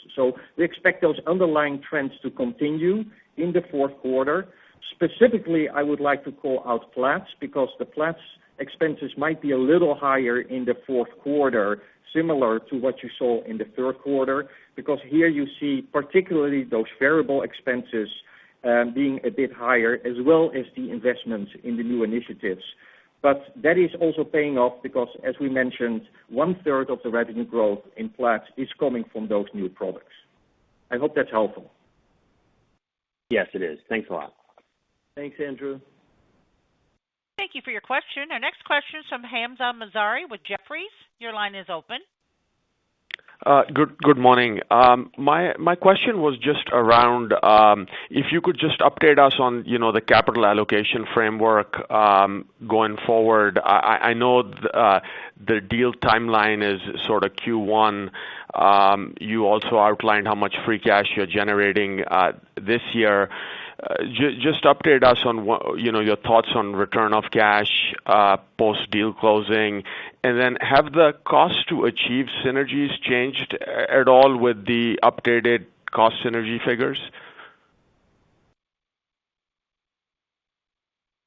We expect those underlying trends to continue in the fourth quarter. Specifically, I would like to call out Platts because the Platts expenses might be a little higher in the fourth quarter, similar to what you saw in the third quarter. Because here you see particularly those variable expenses, being a bit higher, as well as the investments in the new initiatives. That is also paying off because as we mentioned, one-third of the revenue growth in Platts is coming from those new products. I hope that's helpful. Yes, it is. Thanks a lot. Thanks, Andrew. Thank you for your question. Our next question is from Hamzah Mazari with Jefferies, your line is open. Good morning. My question was just around if you could just update us on, you know, the capital allocation framework going forward. I know the deal timeline is sort of Q1. You also outlined how much free cash you're generating this year. Just update us on, you know, your thoughts on return of cash post-deal closing. Then have the cost to achieve synergies changed at all with the updated cost synergy figures?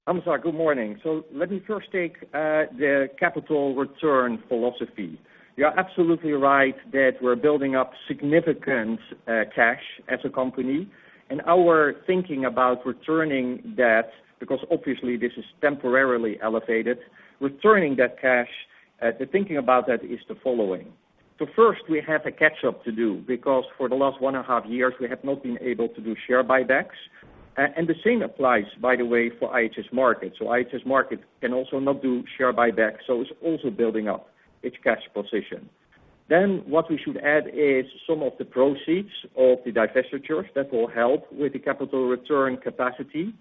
Hamzah, good morning. Let me first take the capital return philosophy. You're absolutely right that we're building up significant cash as a company. Our thinking about returning that, because obviously this is temporarily elevated, returning that cash, the thinking about that is the following. First, we have a catch-up to do because for the last 1.5 years, we have not been able to do share buybacks. And the same applies, by the way, for IHS Markit. IHS Markit can also not do share buybacks, so it's also building up its cash position. What we should add is some of the proceeds of the divestitures that will help with the capital return capacity.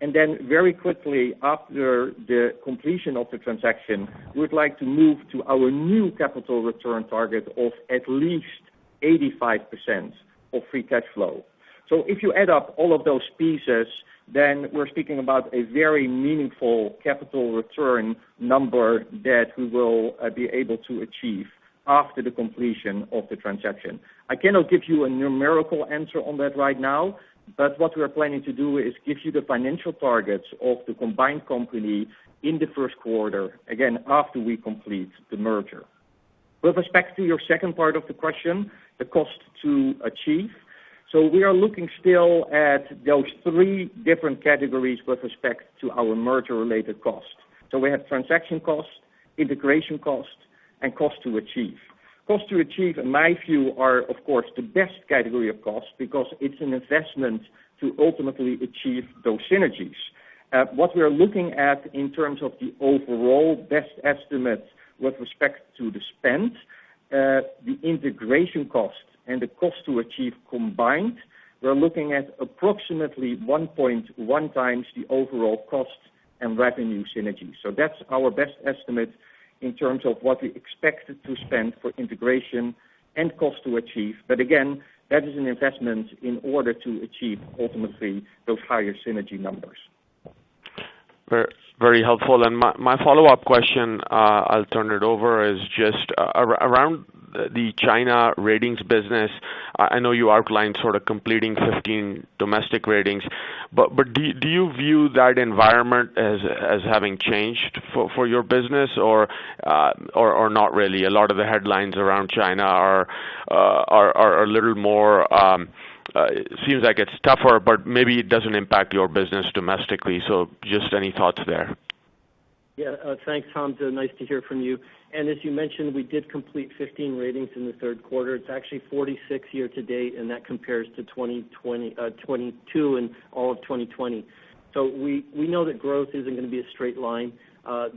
Then very quickly after the completion of the transaction, we would like to move to our new capital return target of at least 85% of free cash flow. If you add up all of those pieces, we're speaking about a very meaningful capital return number that we will be able to achieve after the completion of the transaction. I cannot give you a numerical answer on that right now, but what we're planning to do is give you the financial targets of the combined company in the first quarter, again, after we complete the merger. With respect to your second part of the question, the cost to achieve. We are looking still at those three different categories with respect to our merger-related costs. We have transaction costs, integration costs, and costs to achieve. Costs to achieve, in my view, are of course, the best category of costs because it's an investment to ultimately achieve those synergies. What we are looking at in terms of the overall best estimate with respect to the spend, the integration cost and the cost to achieve combined, we're looking at approximately 1.1x the overall cost and revenue synergy. That's our best estimate in terms of what we expect to spend for integration and cost to achieve. Again, that is an investment in order to achieve ultimately those higher synergy numbers. Very helpful. My follow-up question, I'll turn it over, is just around the China ratings business. I know you outlined sort of completing 15 domestic ratings, but do you view that environment as having changed for your business or not really? A lot of the headlines around China are a little more. Seems like it's tougher, but maybe it doesn't impact your business domestically. Just any thoughts there. Thanks, Hamzah. Nice to hear from you. As you mentioned, we did complete 15 ratings in the third quarter. It's actually 46 year to date, and that compares to 2022 and all of 2020. We know that growth isn't gonna be a straight line.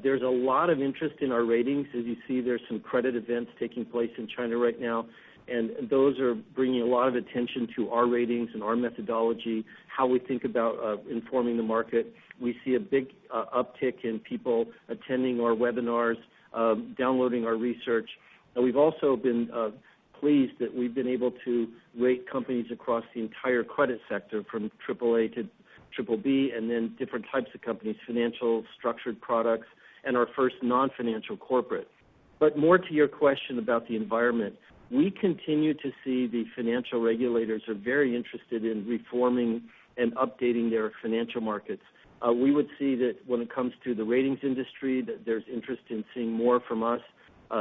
There's a lot of interest in our ratings. As you see, there's some credit events taking place in China right now, and those are bringing a lot of attention to our ratings and our methodology, how we think about informing the market. We see a big uptick in people attending our webinars, downloading our research. We've also been pleased that we've been able to rate companies across the entire credit sector from AAA to BBB, and then different types of companies, financial, structured products, and our first non-financial corporate. More to your question about the environment, we continue to see the financial regulators are very interested in reforming and updating their financial markets. We would see that when it comes to the ratings industry, that there's interest in seeing more from us.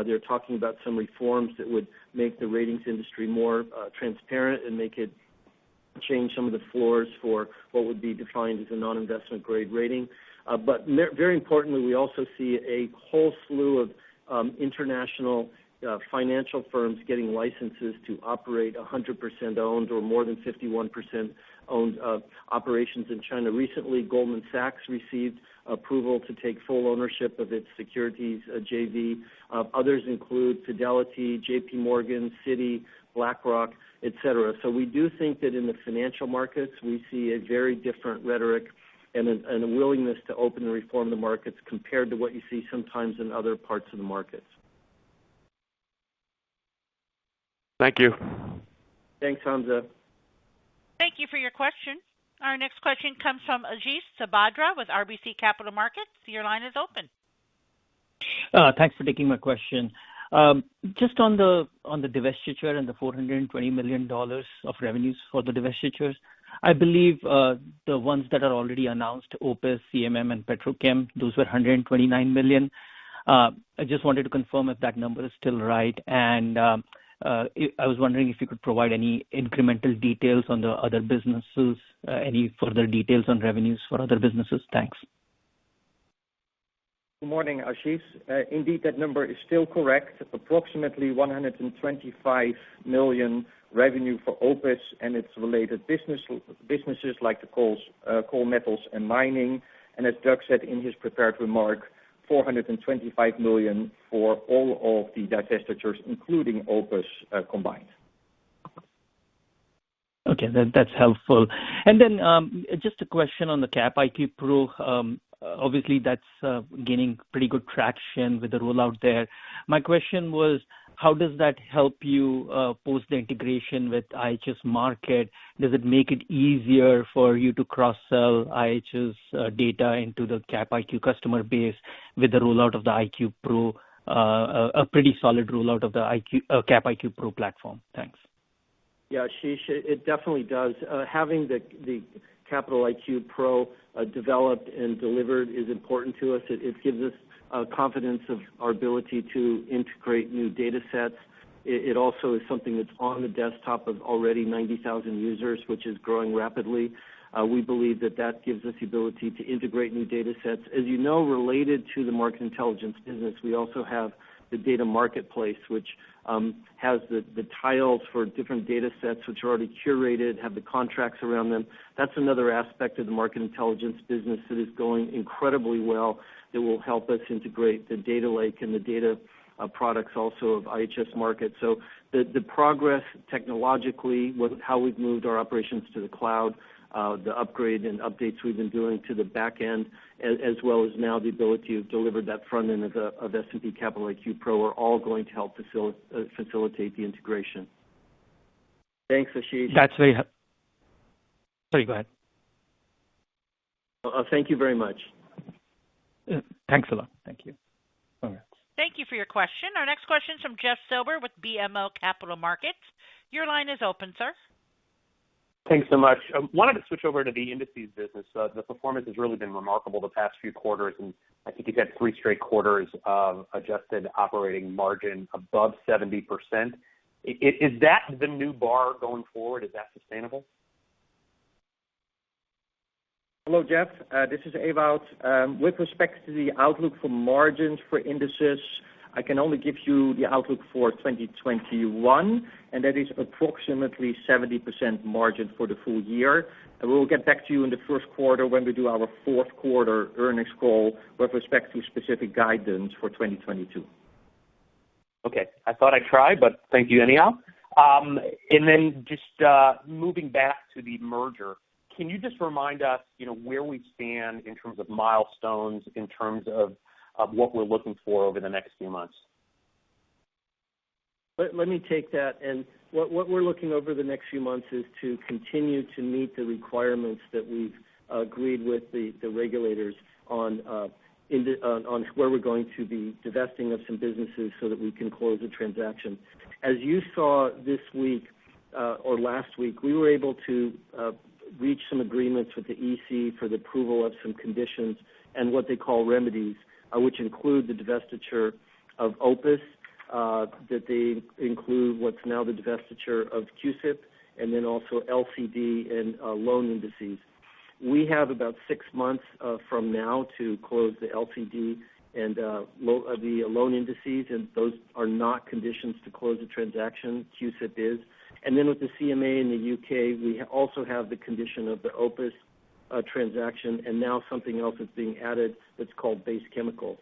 They're talking about some reforms that would make the ratings industry more transparent and make it change some of the floors for what would be defined as a non-investment grade rating. Very importantly, we also see a whole slew of international financial firms getting licenses to operate 100% owned or more than 51% owned operations in China. Recently, Goldman Sachs received approval to take full ownership of its securities JV. Others include Fidelity, JPMorgan, Citi, BlackRock, et cetera. We do think that in the financial markets, we see a very different rhetoric and a willingness to open and reform the markets compared to what you see sometimes in other parts of the markets. Thank you. Thanks, Hamzah. Thank you for your question. Our next question comes from Ashish Sabadra with RBC Capital Markets, your line is open. Thanks for taking my question. Just on the divestiture and the $420 million of revenues for the divestitures, I believe the ones that are already announced, OPIS, CMM and PetroChem, those were $129 million. I just wanted to confirm if that number is still right. I was wondering if you could provide any incremental details on the other businesses, any further details on revenues for other businesses. Thanks. Good morning, Ashish. Indeed, that number is still correct. Approximately $125 million revenue for OPIS and its related businesses like coal, metals and mining. As Doug said in his prepared remarks, $425 million for all of the divestitures, including OPIS, combined. Okay. That's helpful. Then, just a question on the CapIQ Pro. Obviously, that's gaining pretty good traction with the rollout there. My question was how does that help you post the integration with IHS Markit? Does it make it easier for you to cross-sell IHS data into the CapIQ customer base with the rollout of the IQ Pro, a pretty solid rollout of the IQ, CapIQ Pro platform. Thanks. Yeah, Ashish. It definitely does. Having the Capital IQ Pro developed and delivered is important to us. It gives us confidence of our ability to integrate new datasets. It also is something that's on the desktop of already 90,000 users, which is growing rapidly. We believe that that gives us the ability to integrate new datasets. As you know, related to the market intelligence business, we also have the data marketplace, which has the tiles for different datasets which are already curated, have the contracts around them. That's another aspect of the market intelligence business that is going incredibly well, that will help us integrate the data lake and the data products also of IHS Markit. The progress technologically with how we've moved our operations to the cloud, the upgrade and updates we've been doing to the back end, as well as now the ability to deliver that front end of S&P Capital IQ Pro are all going to help facilitate the integration. Thanks, Ashish. Sorry, go ahead. Thank you very much. Thanks a lot. Thank you. All right. Thank you for your question. Our next question is from Jeff Silber with BMO Capital Markets, your line is open, sir. Thanks so much. I wanted to switch over to the Indices business. The performance has really been remarkable the past few quarters, and I think you've had three straight quarters of adjusted operating margin above 70%. Is that the new bar going forward? Is that sustainable? Hello, Jeff. This is Ewout. With respect to the outlook for margins for Indices, I can only give you the outlook for 2021, and that is approximately 70% margin for the full year. We'll get back to you in the first quarter when we do our fourth quarter earnings call with respect to specific guidance for 2022. Okay. I thought I'd try, but thank you anyhow. Just moving back to the merger, can you just remind us, you know, where we stand in terms of milestones, in terms of what we're looking for over the next few months? Let me take that. What we're looking over the next few months is to continue to meet the requirements that we've agreed with the regulators on where we're going to be divesting of some businesses so that we can close the transaction. As you saw this week or last week, we were able to reach some agreements with the EC for the approval of some conditions and what they call remedies, which include the divestiture of OPIS, what's now the divestiture of CUSIP, and then also LCD and Loan Indices. We have about six months from now to close the LCD and the Loan Indices, and those are not conditions to close the transaction. QIP is. With the CMA in the U.K., we also have the condition of the Opis transaction, and now something else is being added that's called Base Chemicals.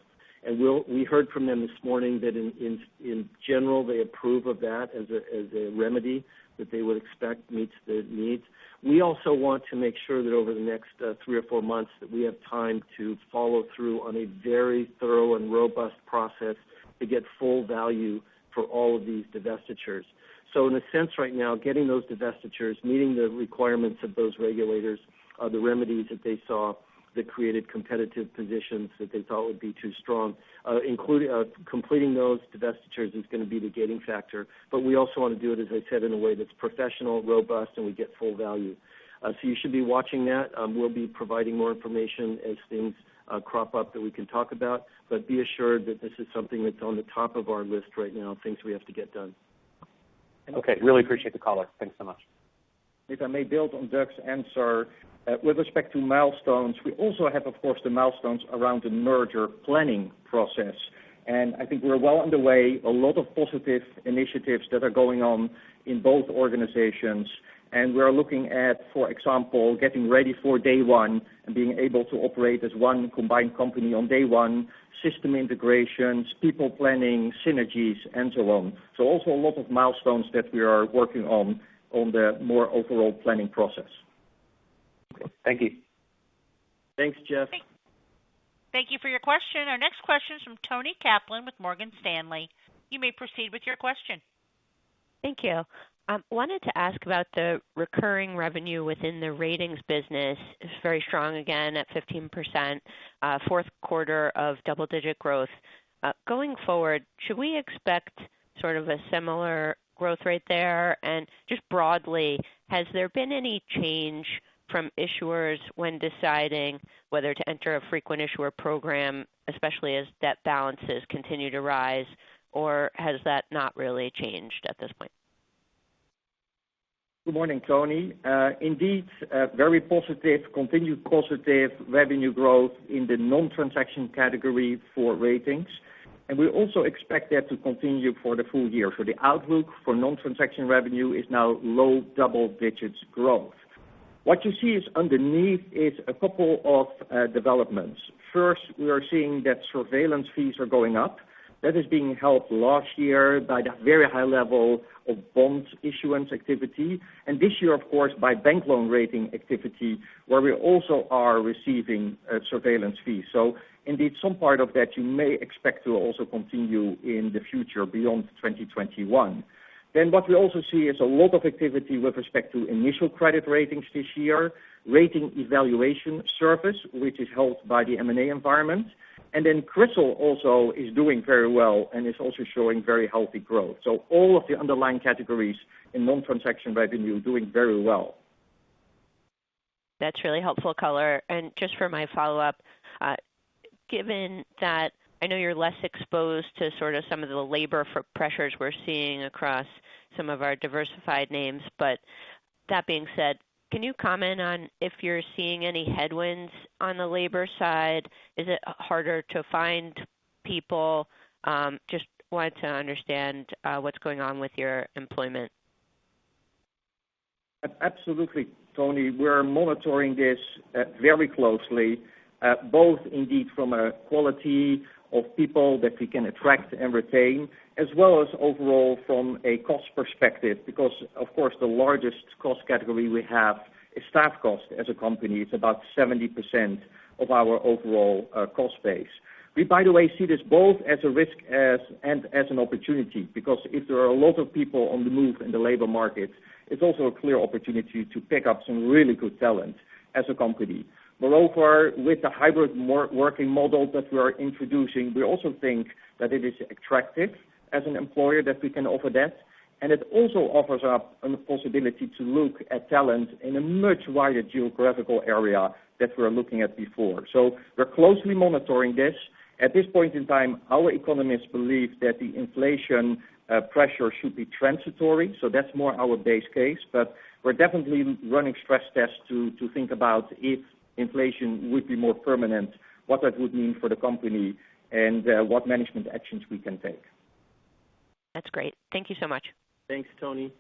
We heard from them this morning that in general, they approve of that as a remedy that they would expect meets the needs. We also want to make sure that over the next three or four months that we have time to follow through on a very thorough and robust process to get full value for all of these divestitures. In a sense, right now, getting those divestitures, meeting the requirements of those regulators, the remedies that they saw that created competitive positions that they thought would be too strong, completing those divestitures is gonna be the gating factor. We also want to do it, as I said, in a way that's professional, robust, and we get full value. You should be watching that. We'll be providing more information as things crop up that we can talk about, but be assured that this is something that's on the top of our list right now, things we have to get done. Okay. Really appreciate the color. Thanks so much. If I may build on Doug's answer, with respect to milestones, we also have, of course, the milestones around the merger planning process. I think we're well underway, a lot of positive initiatives that are going on in both organizations. We are looking at, for example, getting ready for day one and being able to operate as one combined company on day one, system integrations, people planning, synergies and so on. Also a lot of milestones that we are working on the more overall planning process. Thank you. Thanks, Jeff. Thank you for your question. Our next question is from Toni Kaplan with Morgan Stanley, you may proceed with your question. Thank you. Wanted to ask about the recurring revenue within the ratings business. It's very strong again at 15%, fourth quarter of double-digit growth. Going forward, should we expect sort of a similar growth rate there? And just broadly, has there been any change from issuers when deciding whether to enter a frequent issuer program, especially as debt balances continue to rise? Has that not really changed at this point? Good morning, Toni. Indeed, a very positive, continued positive revenue growth in the non-transaction category for ratings. We also expect that to continue for the full year. The outlook for non-transaction revenue is now low double-digits growth. What you see is underneath is a couple of developments. First, we are seeing that surveillance fees are going up. That is being helped last year by that very high level of bond issuance activity. This year, of course, by bank loan rating activity, where we also are receiving surveillance fees. Indeed, some part of that you may expect to also continue in the future beyond 2021. What we also see is a lot of activity with respect to initial credit ratings this year, rating evaluation service, which is helped by the M&A environment. CRISIL also is doing very well and is also showing very healthy growth. All of the underlying categories in non-transaction revenue are doing very well. That's really helpful color. Just for my follow-up, given that I know you're less exposed to sort of some of the labor force pressures we're seeing across some of our diversified names. That being said, can you comment on if you're seeing any headwinds on the labor side? Is it harder to find people? Just want to understand, what's going on with your employment. Absolutely, Toni. We're monitoring this very closely, both indeed from a quality of people that we can attract and retain, as well as overall from a cost perspective, because of course, the largest cost category we have is staff cost as a company. It's about 70% of our overall cost base. We, by the way, see this both as a risk and as an opportunity, because if there are a lot of people on the move in the labor market, it's also a clear opportunity to pick up some really good talent as a company. Also with the hybrid working model that we are introducing, we also think that it is attractive as an employer that we can offer that. It also offers up a possibility to look at talent in a much wider geographical area that we're looking at before. We're closely monitoring this. At this point in time, our economists believe that the inflation pressure should be transitory. That's more our base case. We're definitely running stress tests to think about if inflation would be more permanent, what that would mean for the company and what management actions we can take. That's great. Thank you so much. Thanks, Toni.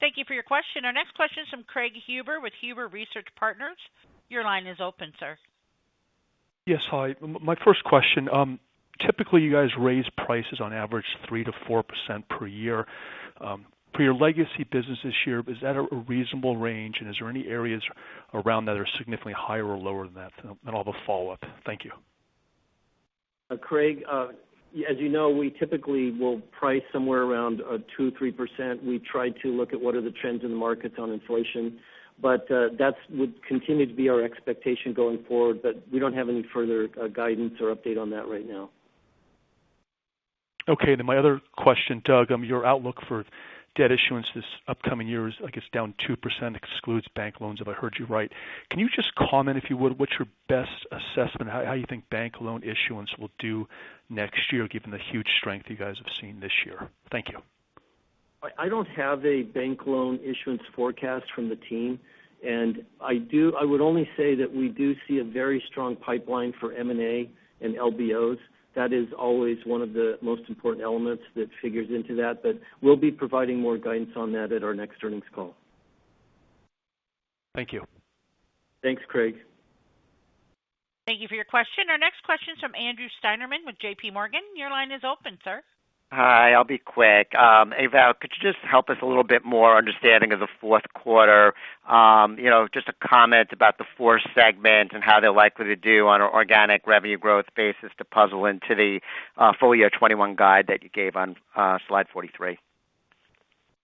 Thank you for your question. Our next question is from Craig Huber with Huber Research Partners, your line is open, sir. Yes. Hi. My first question. Typically, you guys raise prices on average 3%-4% per year. For your legacy business this year, is that a reasonable range? Is there any areas around that are significantly higher or lower than that? I'll have a follow-up. Thank you. Craig, as you know, we typically will price somewhere around 2%-3%. We try to look at what are the trends in the markets on inflation. That would continue to be our expectation going forward. We don't have any further guidance or update on that right now. Okay. My other question, Doug, your outlook for debt issuance this upcoming year is, I guess, down 2%, excludes bank loans, if I heard you right. Can you just comment, if you would, what's your best assessment, how you think bank loan issuance will do next year, given the huge strength you guys have seen this year? Thank you. I don't have a bank loan issuance forecast from the team, and I would only say that we do see a very strong pipeline for M&A and LBOs. That is always one of the most important elements that figures into that. We'll be providing more guidance on that at our next earnings call. Thank you. Thanks, Craig. Thank you for your question. Our next question is from Andrew Steinerman with JPMorgan. Your line is open, sir. Hi. I'll be quick. Ewout, could you just help us a little bit more understanding of the fourth quarter? You know, just a comment about the four segments and how they're likely to do on an organic revenue growth basis to puzzle into the full year 2021 guide that you gave on slide 43.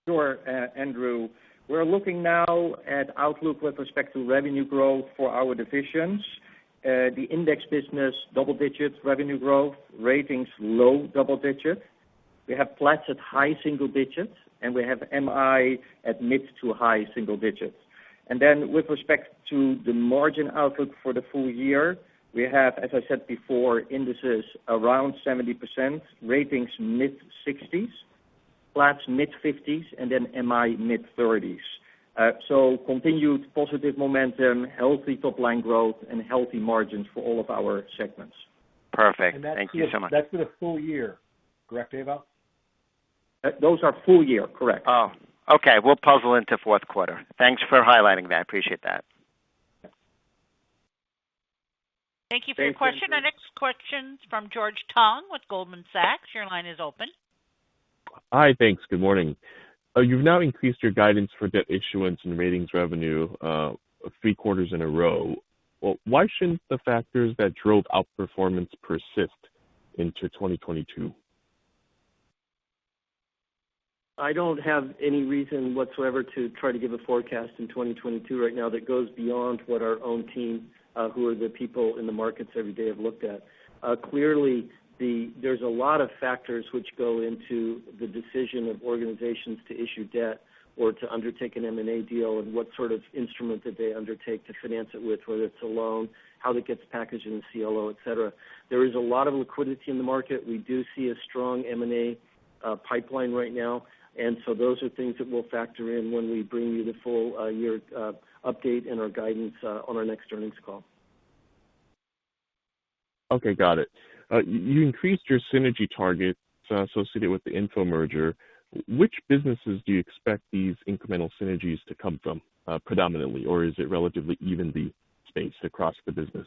Sure, Andrew. We're looking now at outlook with respect to revenue growth for our divisions. The index business, double-digit revenue growth. Ratings, low double digits. We have Platts at high single digits, and we have MI at mid- to high single digits. With respect to the margin outlook for the full year, we have, as I said before, indices around 70%, ratings mid-60s%, Platts mid-50s%, and then MI mid-30s%. Continued positive momentum, healthy top line growth, and healthy margins for all of our segments. Perfect. Thank you so much. That's for the full year. Correct, Ewout? Those are full year, correct? Oh, okay. We'll puzzle into fourth quarter. Thanks for highlighting that. I appreciate that. Thank you for your question. Our next question's from George Tong with Goldman Sachs. Your line is open. Hi, thanks. Good morning. You've now increased your guidance for debt issuance and ratings revenue, three quarters in a row. Well, why shouldn't the factors that drove outperformance persist into 2022? I don't have any reason whatsoever to try to give a forecast in 2022 right now that goes beyond what our own team, who are the people in the markets every day, have looked at. Clearly, there's a lot of factors which go into the decision of organizations to issue debt or to undertake an M&A deal, and what sort of instrument that they undertake to finance it with, whether it's a loan, how that gets packaged in the CLO, et cetera. There is a lot of liquidity in the market. We do see a strong M&A pipeline right now. Those are things that we'll factor in when we bring you the full year update and our guidance on our next earnings call. Okay. Got it. You increased your synergy targets associated with the IHS Markit merger. Which businesses do you expect these incremental synergies to come from, predominantly? Or is it relatively evenly spaced across the business?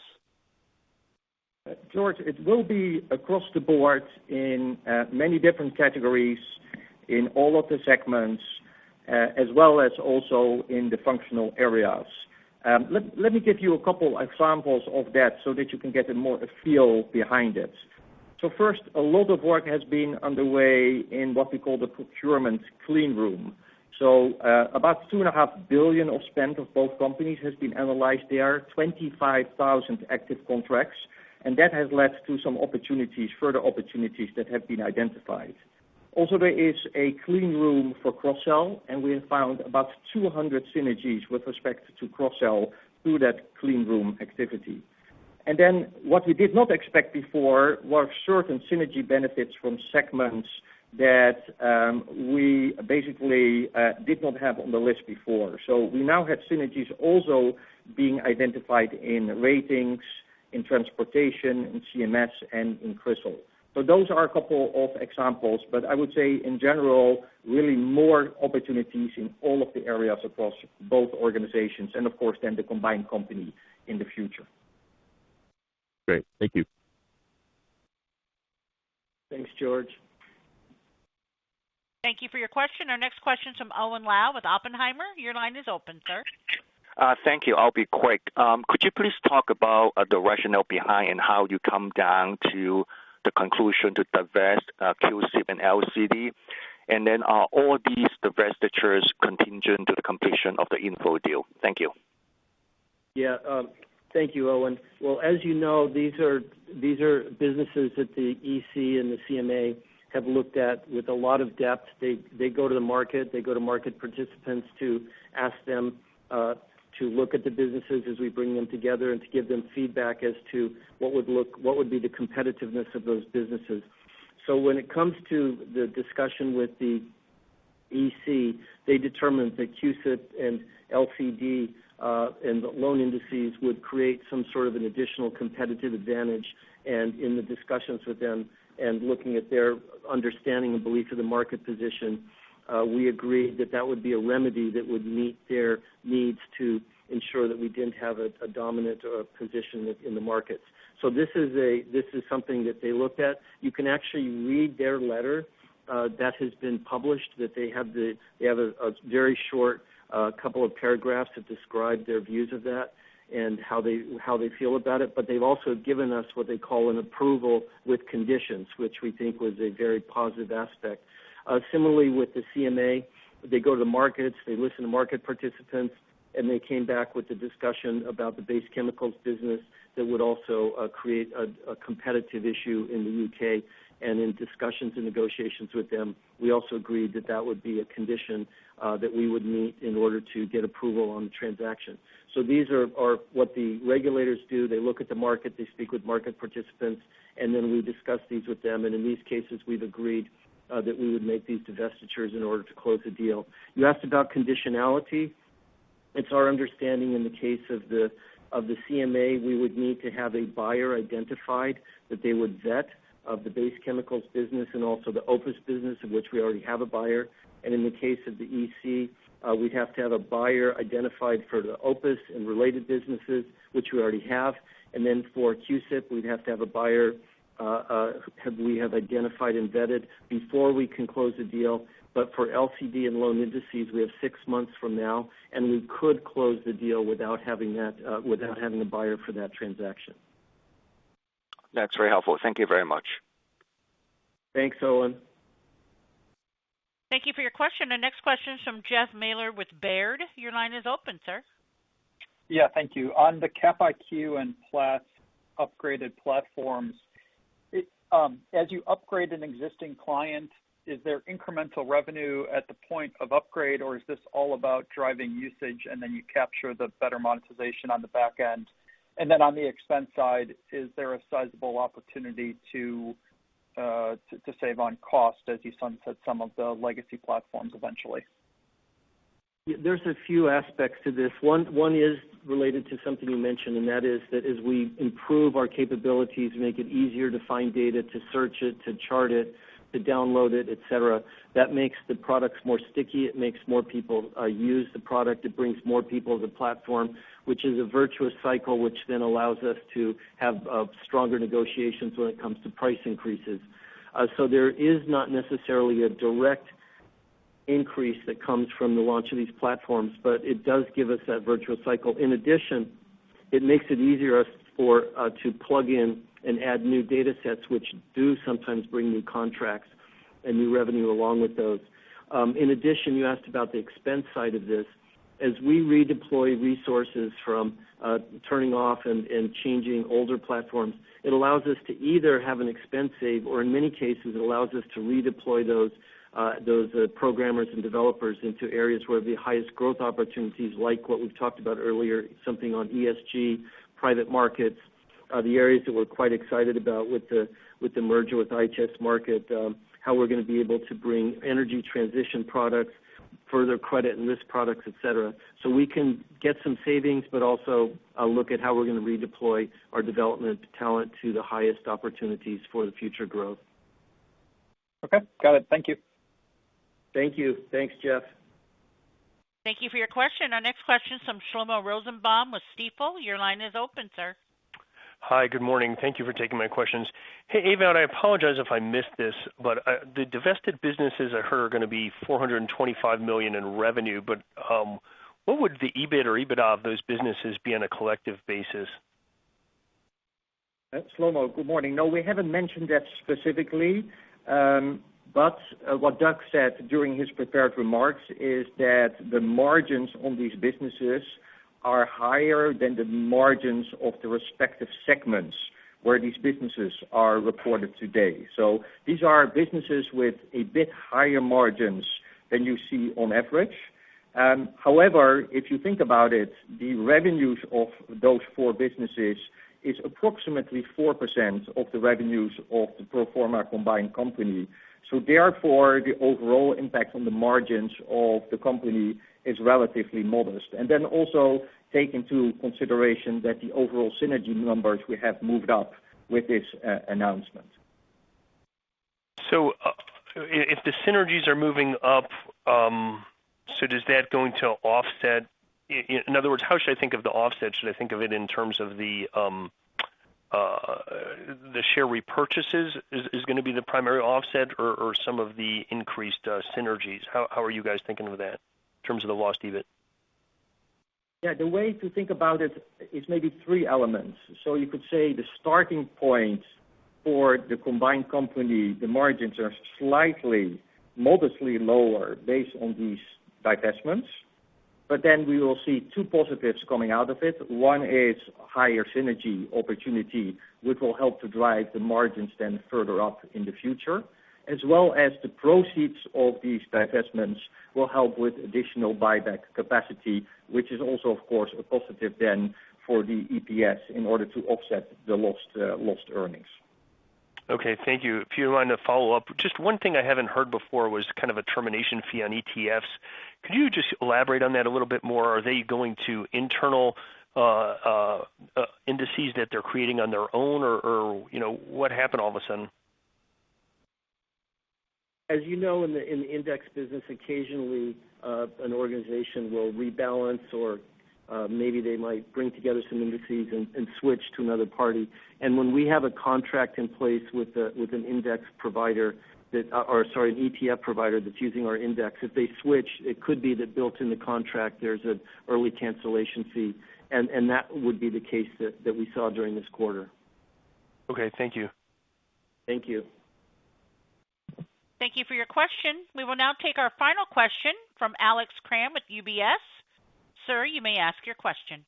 George, it will be across the board in many different categories in all of the segments, as well as also in the functional areas. Let me give you a couple examples of that so that you can get more of a feel for it. First, a lot of work has been underway in what we call the procurement clean room. About $2.5 billion of spend of both companies has been analyzed. There are 25,000 active contracts, and that has led to some opportunities, further opportunities that have been identified. Also, there is a clean room for cross-sell, and we have found about 200 synergies with respect to cross-sell through that clean room activity. What we did not expect before were certain synergy benefits from segments that, we basically, did not have on the list before. We now have synergies also being identified in ratings, in transportation, in CMBS, and in CRISIL. Those are a couple of examples, but I would say in general, really more opportunities in all of the areas across both organizations and of course, then the combined company in the future. Great. Thank you. Thanks, George. Thank you for your question. Our next question is from Owen Lau with Oppenheimer, your line is open, sir. Thank you. I'll be quick. Could you please talk about the rationale behind and how you come down to the conclusion to divest CUSIP and LCD? Are all these divestitures contingent to the completion of the IHS deal? Thank you. Yeah. Thank you, Owen. Well, as you know, these are businesses that the EC and the CMA have looked at with a lot of depth. They go to the market, they go to market participants to ask them to look at the businesses as we bring them together and to give them feedback as to what would be the competitiveness of those businesses. When it comes to the discussion with the EC, they determined that CUSIP and LCD and loan indices would create some sort of an additional competitive advantage. In the discussions with them, and looking at their understanding and belief of the market position, we agreed that that would be a remedy that would meet their needs to ensure that we didn't have a dominant position in the markets. This is something that they looked at. You can actually read their letter that has been published that they have a very short couple of paragraphs that describe their views of that and how they feel about it. But they've also given us what they call an approval with conditions, which we think was a very positive aspect. Similarly with the CMA, they go to markets, they listen to market participants, and they came back with a discussion about the Base Chemicals business that would also create a competitive issue in the U.K. In discussions and negotiations with them, we also agreed that that would be a condition that we would meet in order to get approval on the transaction. These are what the regulators do. They look at the market, they speak with market participants, and then we discuss these with them. In these cases, we've agreed that we would make these divestitures in order to close the deal. You asked about conditionality. It's our understanding in the case of the CMA, we would need to have a buyer identified that they would vet of the Base Chemicals business and also the OPIS business, of which we already have a buyer. In the case of the EC, we'd have to have a buyer identified for the OPIS and related businesses, which we already have. Then for CUSIP, we'd have to have a buyer we have identified and vetted before we can close the deal. For LCD and loan indices, we have six months from now, and we could close the deal without having a buyer for that transaction. That's very helpful. Thank you very much. Thanks, Owen. Thank you for your question. Our next question is from Jeff Meuler with Baird, your line is open, sir. Yeah, thank you. On the Cap IQ and Platts upgraded platforms, as you upgrade an existing client, is there incremental revenue at the point of upgrade, or is this all about driving usage, and then you capture the better monetization on the back end? Then on the expense side, is there a sizable opportunity to save on cost as you sunset some of the legacy platforms eventually? There's a few aspects to this. One is related to something you mentioned, and that is that as we improve our capabilities, make it easier to find data, to search it, to chart it, to download it, et cetera, that makes the products more sticky. It makes more people use the product. It brings more people to the platform, which is a virtuous cycle, which then allows us to have stronger negotiations when it comes to price increases. So there is not necessarily a direct increase that comes from the launch of these platforms, but it does give us that virtuous cycle. In addition, it makes it easier for us to plug in and add new data sets, which do sometimes bring new contracts and new revenue along with those. In addition, you asked about the expense side of this. As we redeploy resources from turning off and changing older platforms, it allows us to either have an expense save, or in many cases, it allows us to redeploy those programmers and developers into areas where the highest growth opportunities, like what we've talked about earlier, something on ESG, private markets, the areas that we're quite excited about with the merger with IHS Markit, how we're gonna be able to bring energy transition products, further credit and risk products, et cetera. We can get some savings, but also a look at how we're gonna redeploy our development talent to the highest opportunities for the future growth. Okay, got it. Thank you. Thank you. Thanks, Jeff. Thank you for your question. Our next question is from Shlomo Rosenbaum with Stifel, your line is open, sir. Hi. Good morning. Thank you for taking my questions. Hey, Ewout, I apologize if I missed this, but the divested businesses I heard are gonna be $425 million in revenue. What would the EBIT or EBITDA of those businesses be on a collective basis? Shlomo, good morning. No, we haven't mentioned that specifically. What Doug said during his prepared remarks is that the margins on these businesses are higher than the margins of the respective segments where these businesses are reported today. These are businesses with a bit higher margins than you see on average. However, if you think about it, the revenues of those four businesses is approximately 4% of the revenues of the pro forma combined company. Therefore, the overall impact on the margins of the company is relatively modest. Also take into consideration that the overall synergy numbers we have moved up with this announcement. If the synergies are moving up, so does that going to offset. In other words, how should I think of the offset? Should I think of it in terms of the share repurchases is gonna be the primary offset or some of the increased synergies? How are you guys thinking of that in terms of the lost EBIT? Yeah, the way to think about it is maybe three elements. You could say the starting point for the combined company, the margins are slightly modestly lower based on these divestments, but then we will see two positives coming out of it. One is higher synergy opportunity, which will help to drive the margins then further up in the future, as well as the proceeds of these divestments will help with additional buyback capacity, which is also, of course, a positive then for the EPS in order to offset the lost earnings. Okay, thank you. If you don't mind, a follow-up. Just one thing I haven't heard before was kind of a termination fee on ETFs. Could you just elaborate on that a little bit more? Are they going to internal indices that they're creating on their own? Or, you know, what happened all of a sudden? As you know, in the index business, occasionally an organization will rebalance or maybe they might bring together some indices and switch to another party. When we have a contract in place with an ETF provider that's using our index, if they switch, it could be that built in the contract there's an early cancellation fee, and that would be the case that we saw during this quarter. Okay, thank you. Thank you. Thank you for your question. We will now take our final question from Alex Kramm with UBS. Sir, you may ask your question.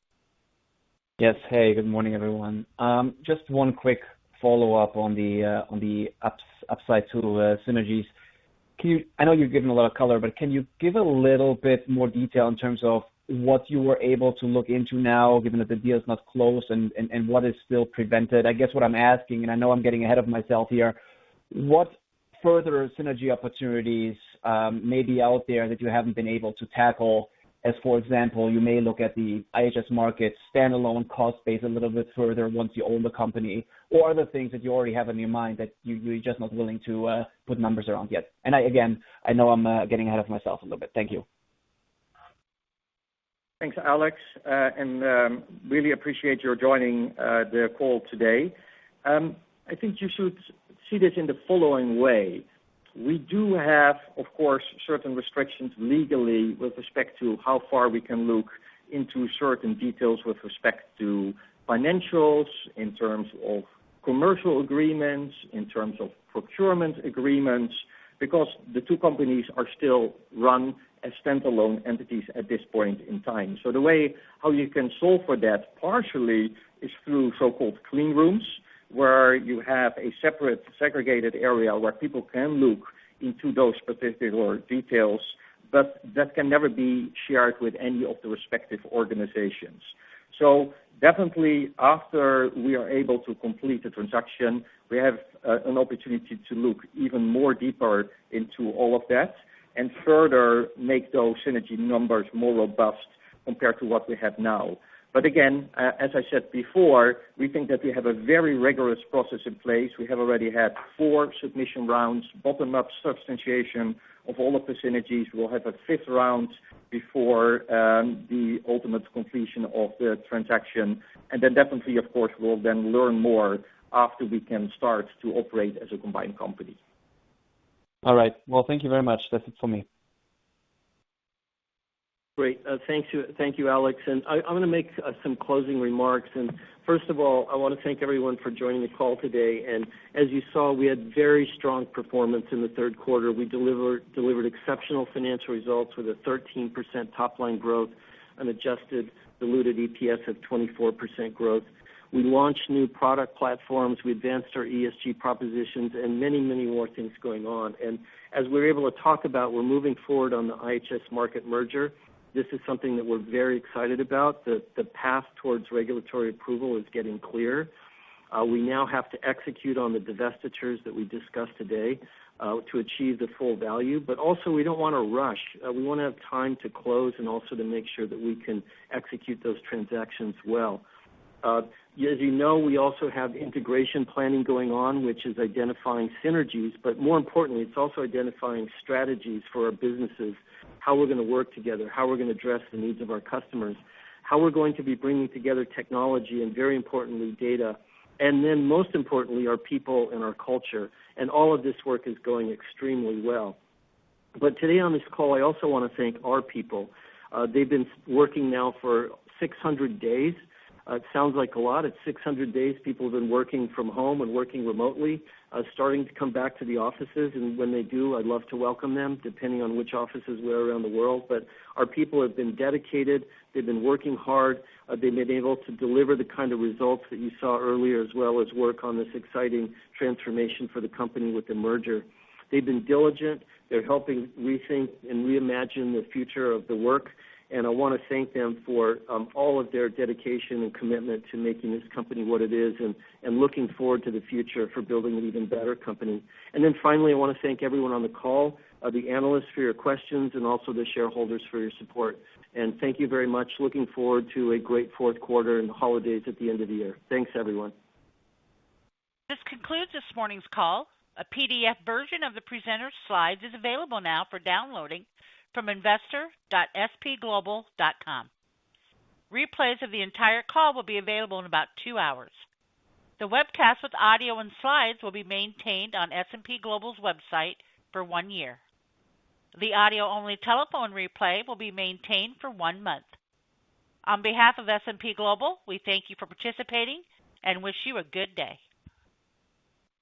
Yes. Hey, good morning, everyone. Just one quick follow-up on the upside to the synergies. I know you've given a lot of color, but can you give a little bit more detail in terms of what you were able to look into now, given that the deal is not closed and what is still prevented? I guess what I'm asking, and I know I'm getting ahead of myself here, what further synergy opportunities may be out there that you haven't been able to tackle? As for example, you may look at the IHS Markit standalone cost base a little bit further once you own the company. Or are there things that you already have in your mind that you're just not willing to put numbers around yet? Again, I know I'm getting ahead of myself a little bit. Thank you. Thanks, Alex. Really appreciate your joining the call today. I think you should see this in the following way. We do have, of course, certain restrictions legally with respect to how far we can look into certain details with respect to financials, in terms of commercial agreements, in terms of procurement agreements, because the two companies are still run as standalone entities at this point in time. The way how you can solve for that partially is through so-called clean rooms, where you have a separate segregated area where people can look into those particular details, but that can never be shared with any of the respective organizations. Definitely after we are able to complete the transaction, we have an opportunity to look even more deeper into all of that and further make those synergy numbers more robust compared to what we have now. Again, as I said before, we think that we have a very rigorous process in place. We have already had four submission rounds, bottom-up substantiation of all of the synergies. We'll have a fifth round before the ultimate completion of the transaction. Then definitely, of course, we'll then learn more after we can start to operate as a combined company. All right. Well, thank you very much. That's it for me. Great. Thank you, Alex. I'm gonna make some closing remarks. First of all, I wanna thank everyone for joining the call today. As you saw, we had very strong performance in the third quarter. We delivered exceptional financial results with a 13% top line growth, an adjusted diluted EPS of 24% growth. We launched new product platforms. We advanced our ESG propositions and many, many more things going on. As we're able to talk about, we're moving forward on the IHS Markit merger. This is something that we're very excited about. The path towards regulatory approval is getting clear. We now have to execute on the divestitures that we discussed today to achieve the full value, but also we don't wanna rush. We wanna have time to close and also to make sure that we can execute those transactions well. As you know, we also have integration planning going on, which is identifying synergies, but more importantly, it's also identifying strategies for our businesses, how we're gonna work together, how we're gonna address the needs of our customers, how we're going to be bringing together technology and, very importantly, data. Most importantly, our people and our culture, and all of this work is going extremely well. Today on this call, I also wanna thank our people. They've been working now for 600 days. It sounds like a lot. It's 600 days people have been working from home and working remotely, starting to come back to the offices. When they do, I'd love to welcome them, depending on which offices we're around the world. Our people have been dedicated. They've been working hard. They've been able to deliver the kind of results that you saw earlier, as well as work on this exciting transformation for the company with the merger. They've been diligent. They're helping rethink and reimagine the future of the work, and I wanna thank them for all of their dedication and commitment to making this company what it is and looking forward to the future for building an even better company. Then finally, I wanna thank everyone on the call, the analysts for your questions, and also the shareholders for your support. Thank you very much. Looking forward to a great fourth quarter and holidays at the end of the year. Thanks, everyone. This concludes this morning's call. A PDF version of the presenter's slides is available now for downloading from investor.spglobal.com. Replays of the entire call will be available in about two hours. The webcast with audio and slides will be maintained on S&P Global's website for one year. The audio-only telephone replay will be maintained for one month. On behalf of S&P Global, we thank you for participating and wish you a good day.